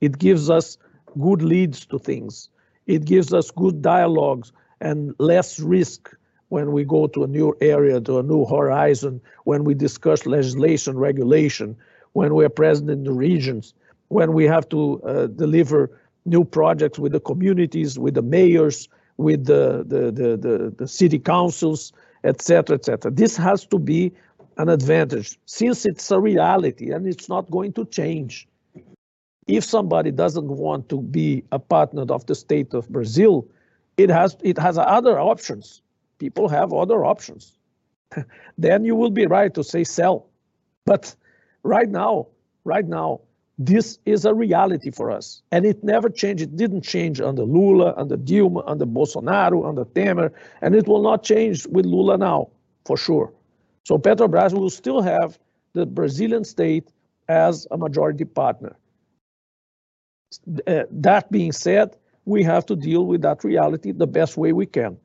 It gives us good leads to things. It gives us good dialogues and less risk when we go to a new area, to a new horizon, when we discuss legislation, regulation, when we are present in the regions, when we have to deliver new projects with the communities, with the mayors, with the city councils, et cetera, et cetera. This has to be an advantage since it's a reality and it's not going to change. If somebody doesn't want to be a partner of the state of Brazil, it has other options. People have other options. You will be right to say sell, right now this is a reality for us, and it never change. It didn't change under Lula, under Dilma, under Bolsonaro, under Temer, it will not change with Lula now, for sure. Petrobras will still have the Brazilian state as a majority partner. That being said, we have to deal with that reality the best way we can.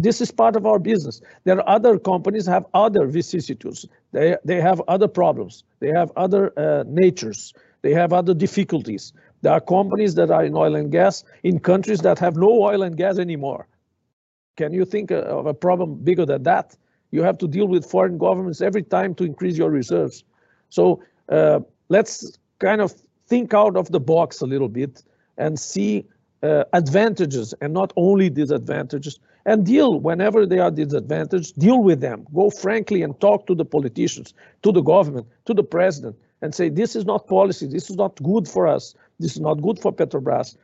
This is part of our business. There are other companies have other vicissitudes. They have other problems. They have other natures. They have other difficulties. There are companies that are in oil and gas in countries that have no oil and gas anymore. Can you think of a problem bigger than that? You have to deal with foreign governments every time to increase your reserves. Let's kind of think out of the box a little bit and see advantages and not only disadvantages, and deal whenever there are disadvantage, deal with them. Go frankly and talk to the politicians, to the government, to the president and say, "This is not policy. This is not good for us. This is not good for Petrobras.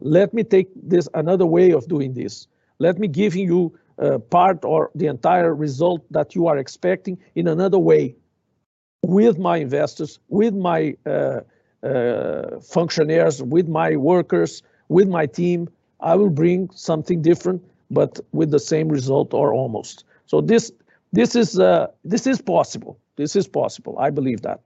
Let me take this another way of doing this. Let me give you, part or the entire result that you are expecting in another way. With my investors, with my functionaries, with my workers, with my team, I will bring something different, but with the same result or almost." This is possible. This is possible. I believe that.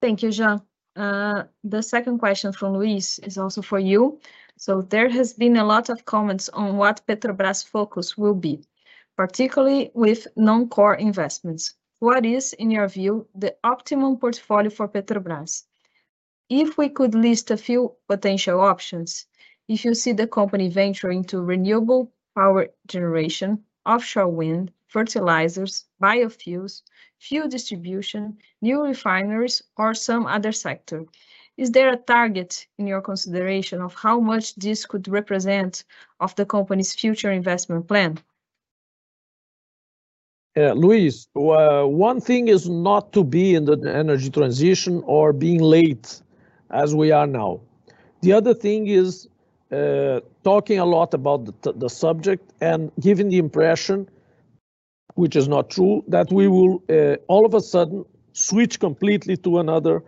Thank you, Jean. The second question from Luiz is also for you. There has been a lot of comments on what Petrobras focus will be, particularly with non-core investments. What is, in your view, the optimum portfolio for Petrobras? If we could list a few potential options, if you see the company venturing to renewable power generation, offshore wind, fertilizers, biofuels, fuel distribution, new refineries or some other sector, is there a target in your consideration of how much this could represent of the company's future investment plan? Yeah. Luiz, one thing is not to be in the energy transition or being late as we are now. The other thing is, talking a lot about the subject and giving the impression, which is not true, that we will, all of a sudden switch completely to another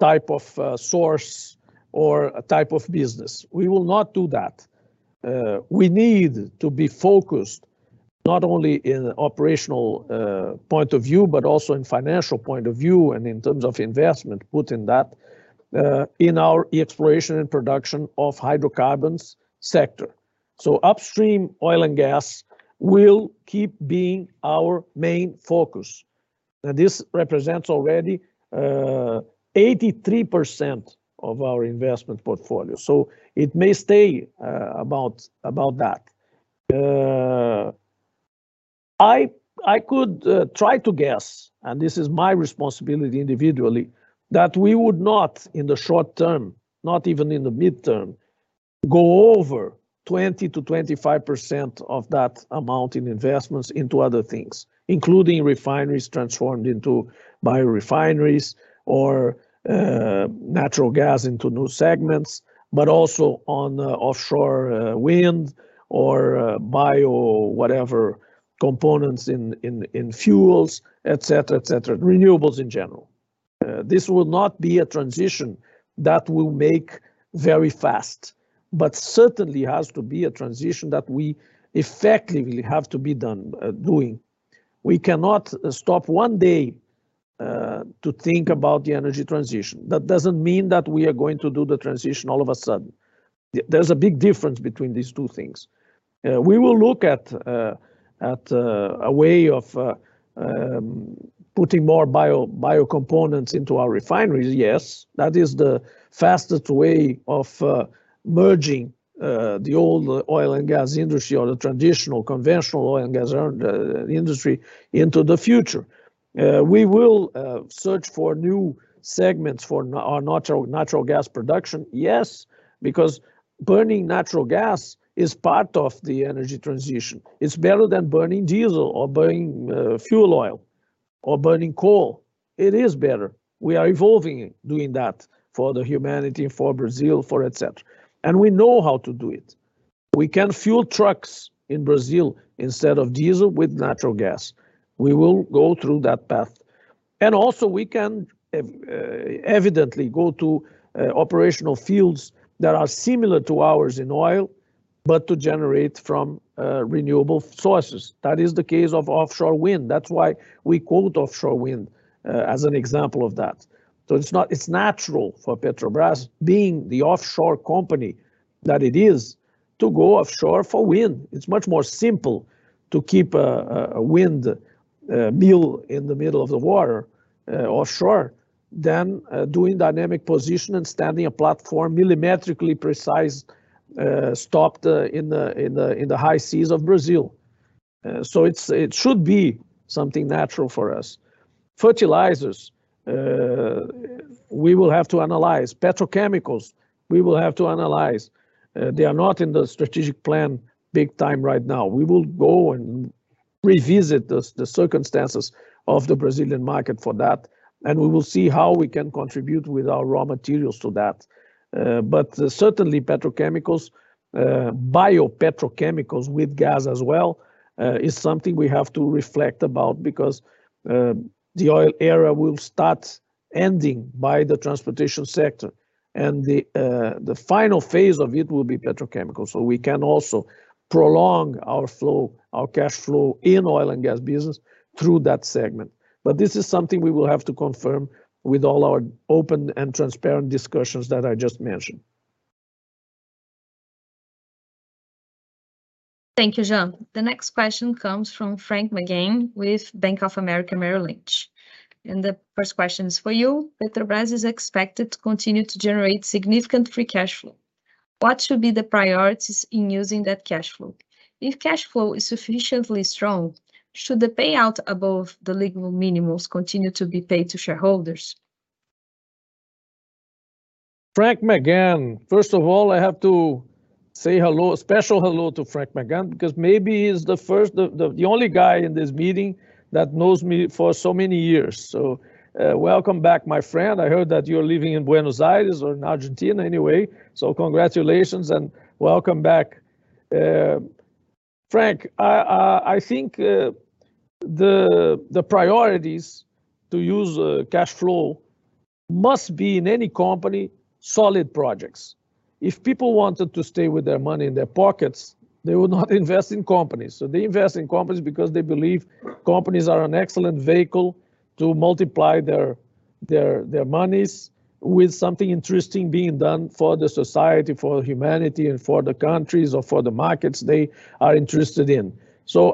type of source or a type of business. We will not do that. We need to be focused not only in operational point of view, but also in financial point of view and in terms of investment, putting that in our exploration and production of hydrocarbons sector. Upstream oil and gas will keep being our main focus. Now, this represents already 83% of our investment portfolio. It may stay about that. I could try to guess, and this is my responsibility individually, that we would not, in the short term, not even in the midterm, go over 20%-25% of that amount in investments into other things, including refineries transformed into biorefineries or natural gas into new segments, but also on offshore wind or bio whatever components in fuels, et cetera, et cetera. Renewables in general. This will not be a transition that will make very fast, but certainly has to be a transition that we effectively have to be done doing. We cannot stop one day to think about the energy transition. That doesn't mean that we are going to do the transition all of a sudden. There's a big difference between these two things. We will look at a way of putting more bio components into our refineries, yes. That is the fastest way of merging the old oil and gas industry or the traditional conventional oil and gas industry into the future. We will search for new segments for our natural gas production, yes, because burning natural gas is part of the energy transition. It's better than burning diesel or burning fuel oil or burning coal. It is better. We are evolving doing that for the humanity, for Brazil, for et cetera, and we know how to do it. We can fuel trucks in Brazil instead of diesel with natural gas. We will go through that path. Also we can evidently go to operational fields that are similar to ours in oil, but to generate from renewable sources. That is the case of offshore wind. That's why we quote offshore wind as an example of that. It's not, it's natural for Petrobras being the offshore company that it is to go offshore for wind. It's much more simple to keep a wind mill in the middle of the water offshore than doing dynamic position and standing a platform millimetrically precise stopped in the high seas of Brazil. It's, it should be something natural for us. Fertilizers, we will have to analyze. Petrochemicals, we will have to analyze. They are not in the strategic plan big time right now. We will go and revisit the circumstances of the Brazilian market for that. We will see how we can contribute with our raw materials to that. Certainly petrochemicals, biopetrochemicals with gas as well, is something we have to reflect about because the oil era will start ending by the transportation sector. The final phase of it will be petrochemical. We can also prolong our flow, our cash flow in oil and gas business through that segment. This is something we will have to confirm with all our open and transparent discussions that I just mentioned. Thank you, Jean. The next question comes from Frank McGann with Bank of America Merrill Lynch. The first question is for you. Petrobras is expected to continue to generate significant free cash flow. What should be the priorities in using that cash flow? If cash flow is sufficiently strong, should the payout above the legal minimums continue to be paid to shareholders? Frank McGann, first of all, I have to say hello, a special hello to Frank McGann, because maybe he's the first, the only guy in this meeting that knows me for so many years. Welcome back, my friend. I heard that you're living in Buenos Aires or in Argentina anyway. Congratulations and welcome back. Frank, I think the priorities to use cash flow must be in any company, solid projects. If people wanted to stay with their money in their pockets, they would not invest in companies. They invest in companies because they believe companies are an excellent vehicle to multiply their monies with something interesting being done for the society, for humanity, and for the countries or for the markets they are interested in.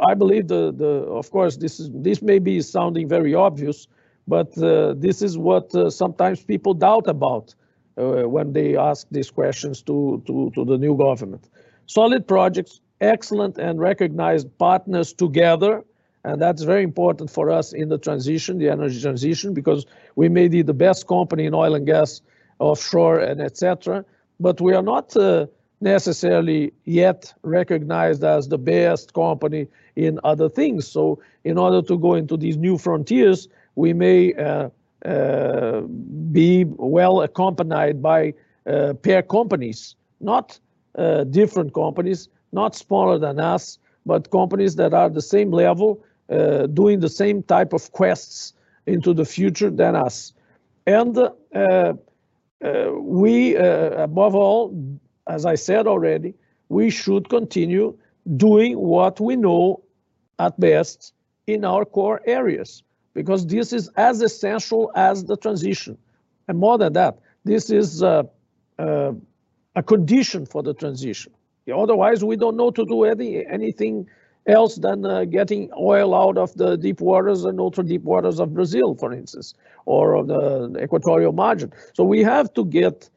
I believe the... Of course, this is, this may be sounding very obvious, but this is what sometimes people doubt about when they ask these questions to the new government. Solid projects, excellent and recognized partners together, and that's very important for us in the transition, the energy transition, because we may be the best company in oil and gas, offshore and et cetera, but we are not necessarily yet recognized as the best company in other things. In order to go into these new frontiers, we may be well accompanied by peer companies, not different companies, not smaller than us, but companies that are the same level, doing the same type of quests into the future than us. We, above all, as I said already, we should continue doing what we know at best in our core areas, because this is as essential as the transition. More than that, this is a condition for the transition. Otherwise, we don't know to do anything else than getting oil out of the deep waters and ultra deep waters of Brazil, for instance, or of the equatorial margin. We have to get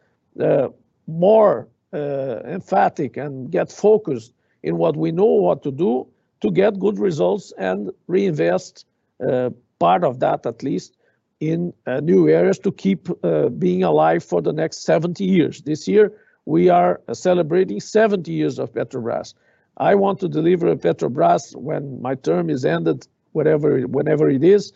more emphatic and get focused in what we know what to do to get good results and reinvest part of that at least in new areas to keep being alive for the next 70 years. This year, we are celebrating 70 years of Petrobras. I want to deliver a Petrobras when my term is ended, whatever, whenever it is,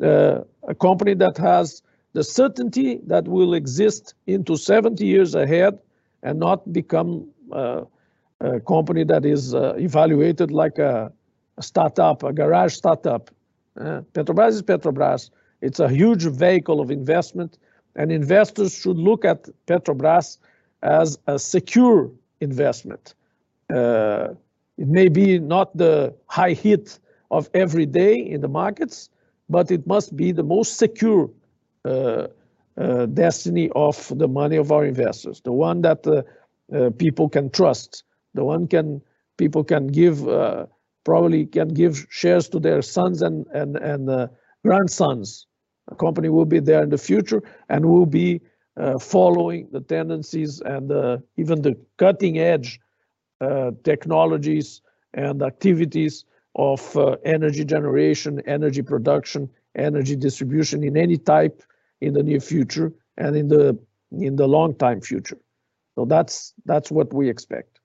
a company that has the certainty that will exist into 70 years ahead and not become a company that is evaluated like a startup, a garage startup. Petrobras is Petrobras. It's a huge vehicle of investment, investors should look at Petrobras as a secure investment. It may be not the high hit of every day in the markets, but it must be the most secure destiny of the money of our investors, the one that people can trust, the one people can give, probably can give shares to their sons and grandsons. The company will be there in the future and will be following the tendencies and even the cutting-edge technologies and activities of energy generation, energy production, energy distribution in any type in the near future and in the long time future. That's what we expect.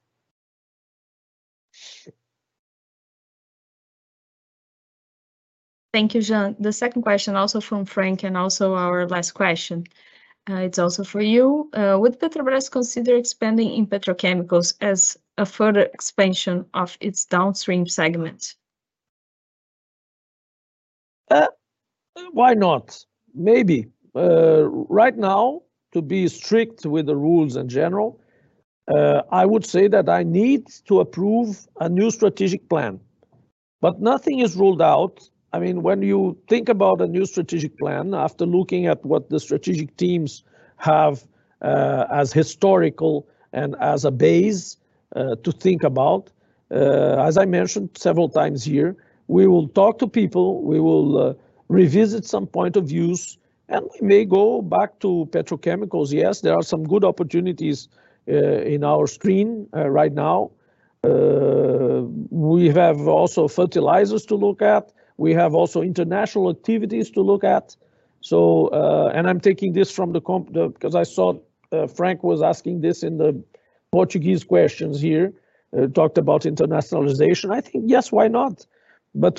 Thank you, Jean. The second question also from Frank and also our last question, it's also for you. Would Petrobras consider expanding in petrochemicals as a further expansion of its downstream segment? Why not? Maybe. Right now, to be strict with the rules in general, I would say that I need to approve a new strategic plan, but nothing is ruled out. I mean, when you think about a new strategic plan, after looking at what the strategic teams have, as historical and as a base, to think about, as I mentioned several times here, we will talk to people, we will revisit some point of views, and we may go back to petrochemicals. Yes, there are some good opportunities in our screen right now. We have also fertilizers to look at. We have also international activities to look at. I'm taking this from the 'cause I saw Frank was asking this in the Portuguese questions here, talked about internationalization. I think, yes, why not?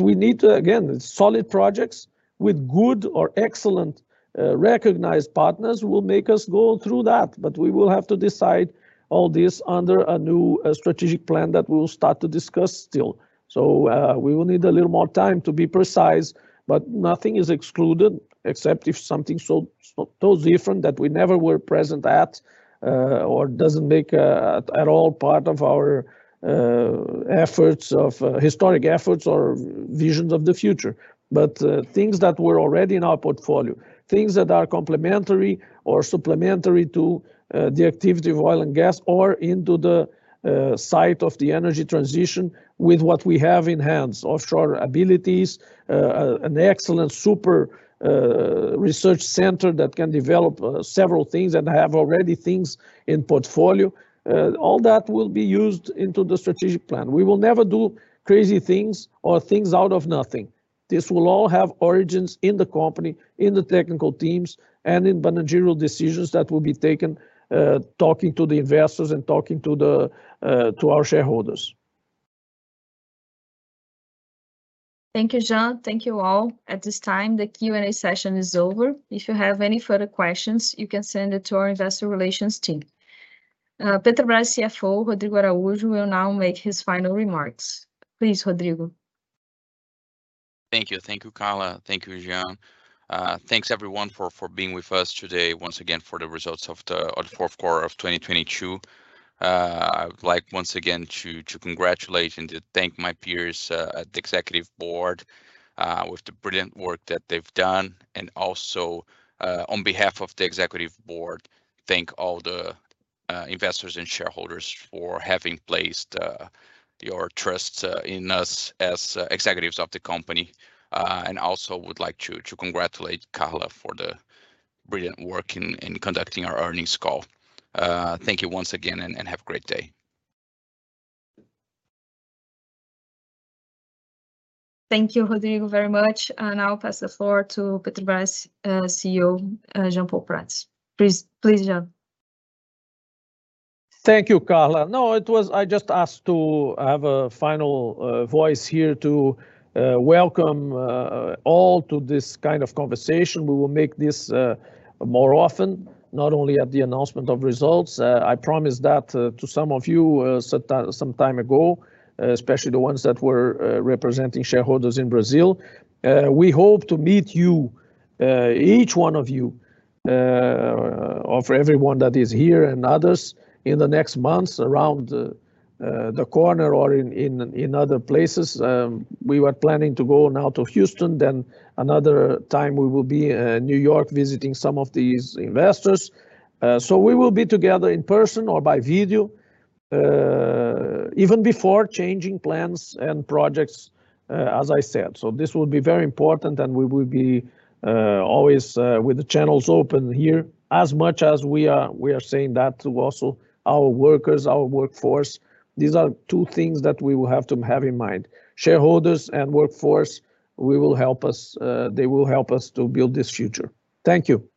We need to, again, solid projects with good or excellent, recognized partners will make us go through that, but we will have to decide all this under a new strategic plan that we will start to discuss still. We will need a little more time to be precise, but nothing is excluded except if something so, so different that we never were present at, or doesn't make at all part of our efforts of historic efforts or visions of the future. Things that were already in our portfolio, things that are complimentary or supplementary to the activity of oil and gas, or into the site of the energy transition with what we have in hands, offshore abilities, an excellent super research center that can develop several things and have already things in portfolio. All that will be used into the strategic plan. We will never do crazy things or things out of nothing. This will all have origins in the company, in the technical teams, and in managerial decisions that will be taken, talking to the investors and talking to the, to our shareholders. Thank you, Jean. Thank you all. At this time, the Q&A session is over. If you have any further questions, you can send it to our investor relations team. Petrobras CFO, Rodrigo Araujo, will now make his final remarks. Please, Rodrigo. Thank you. Thank you, Carla. Thank you, Jean. Thanks everyone for being with us today, once again, for the results of the fourth quarter of 2022. I would like, once again, to congratulate and to thank my peers at the executive board with the brilliant work that they've done. Also, on behalf of the executive board, thank all the investors and shareholders for having placed your trust in us as executives of the company. Also would like to congratulate Carla for the brilliant work in conducting our earnings call. Thank you once again, and have a great day. Thank you, Rodrigo, very much. I'll pass the floor to Petrobras, CEO, Jean Paul Prates. Please, please, Jean. Thank you, Carla. No, it was, I just asked to have a final voice here to welcome all to this kind of conversation. We will make this more often, not only at the announcement of results. I promised that to some of you so some time ago, especially the ones that were representing shareholders in Brazil. We hope to meet you, each one of you, or for everyone that is here and others in the next months around the corner or in other places. We were planning to go now to Houston, then another time we will be New York visiting some of these investors. We will be together in person or by video, even before changing plans and projects, as I said. This will be very important, and we will be, always, with the channels open here. As much as we are, we are saying that to also our workers, our workforce. These are two things that we will have to have in mind. Shareholders and workforce, we will help us, they will help us to build this future. Thank you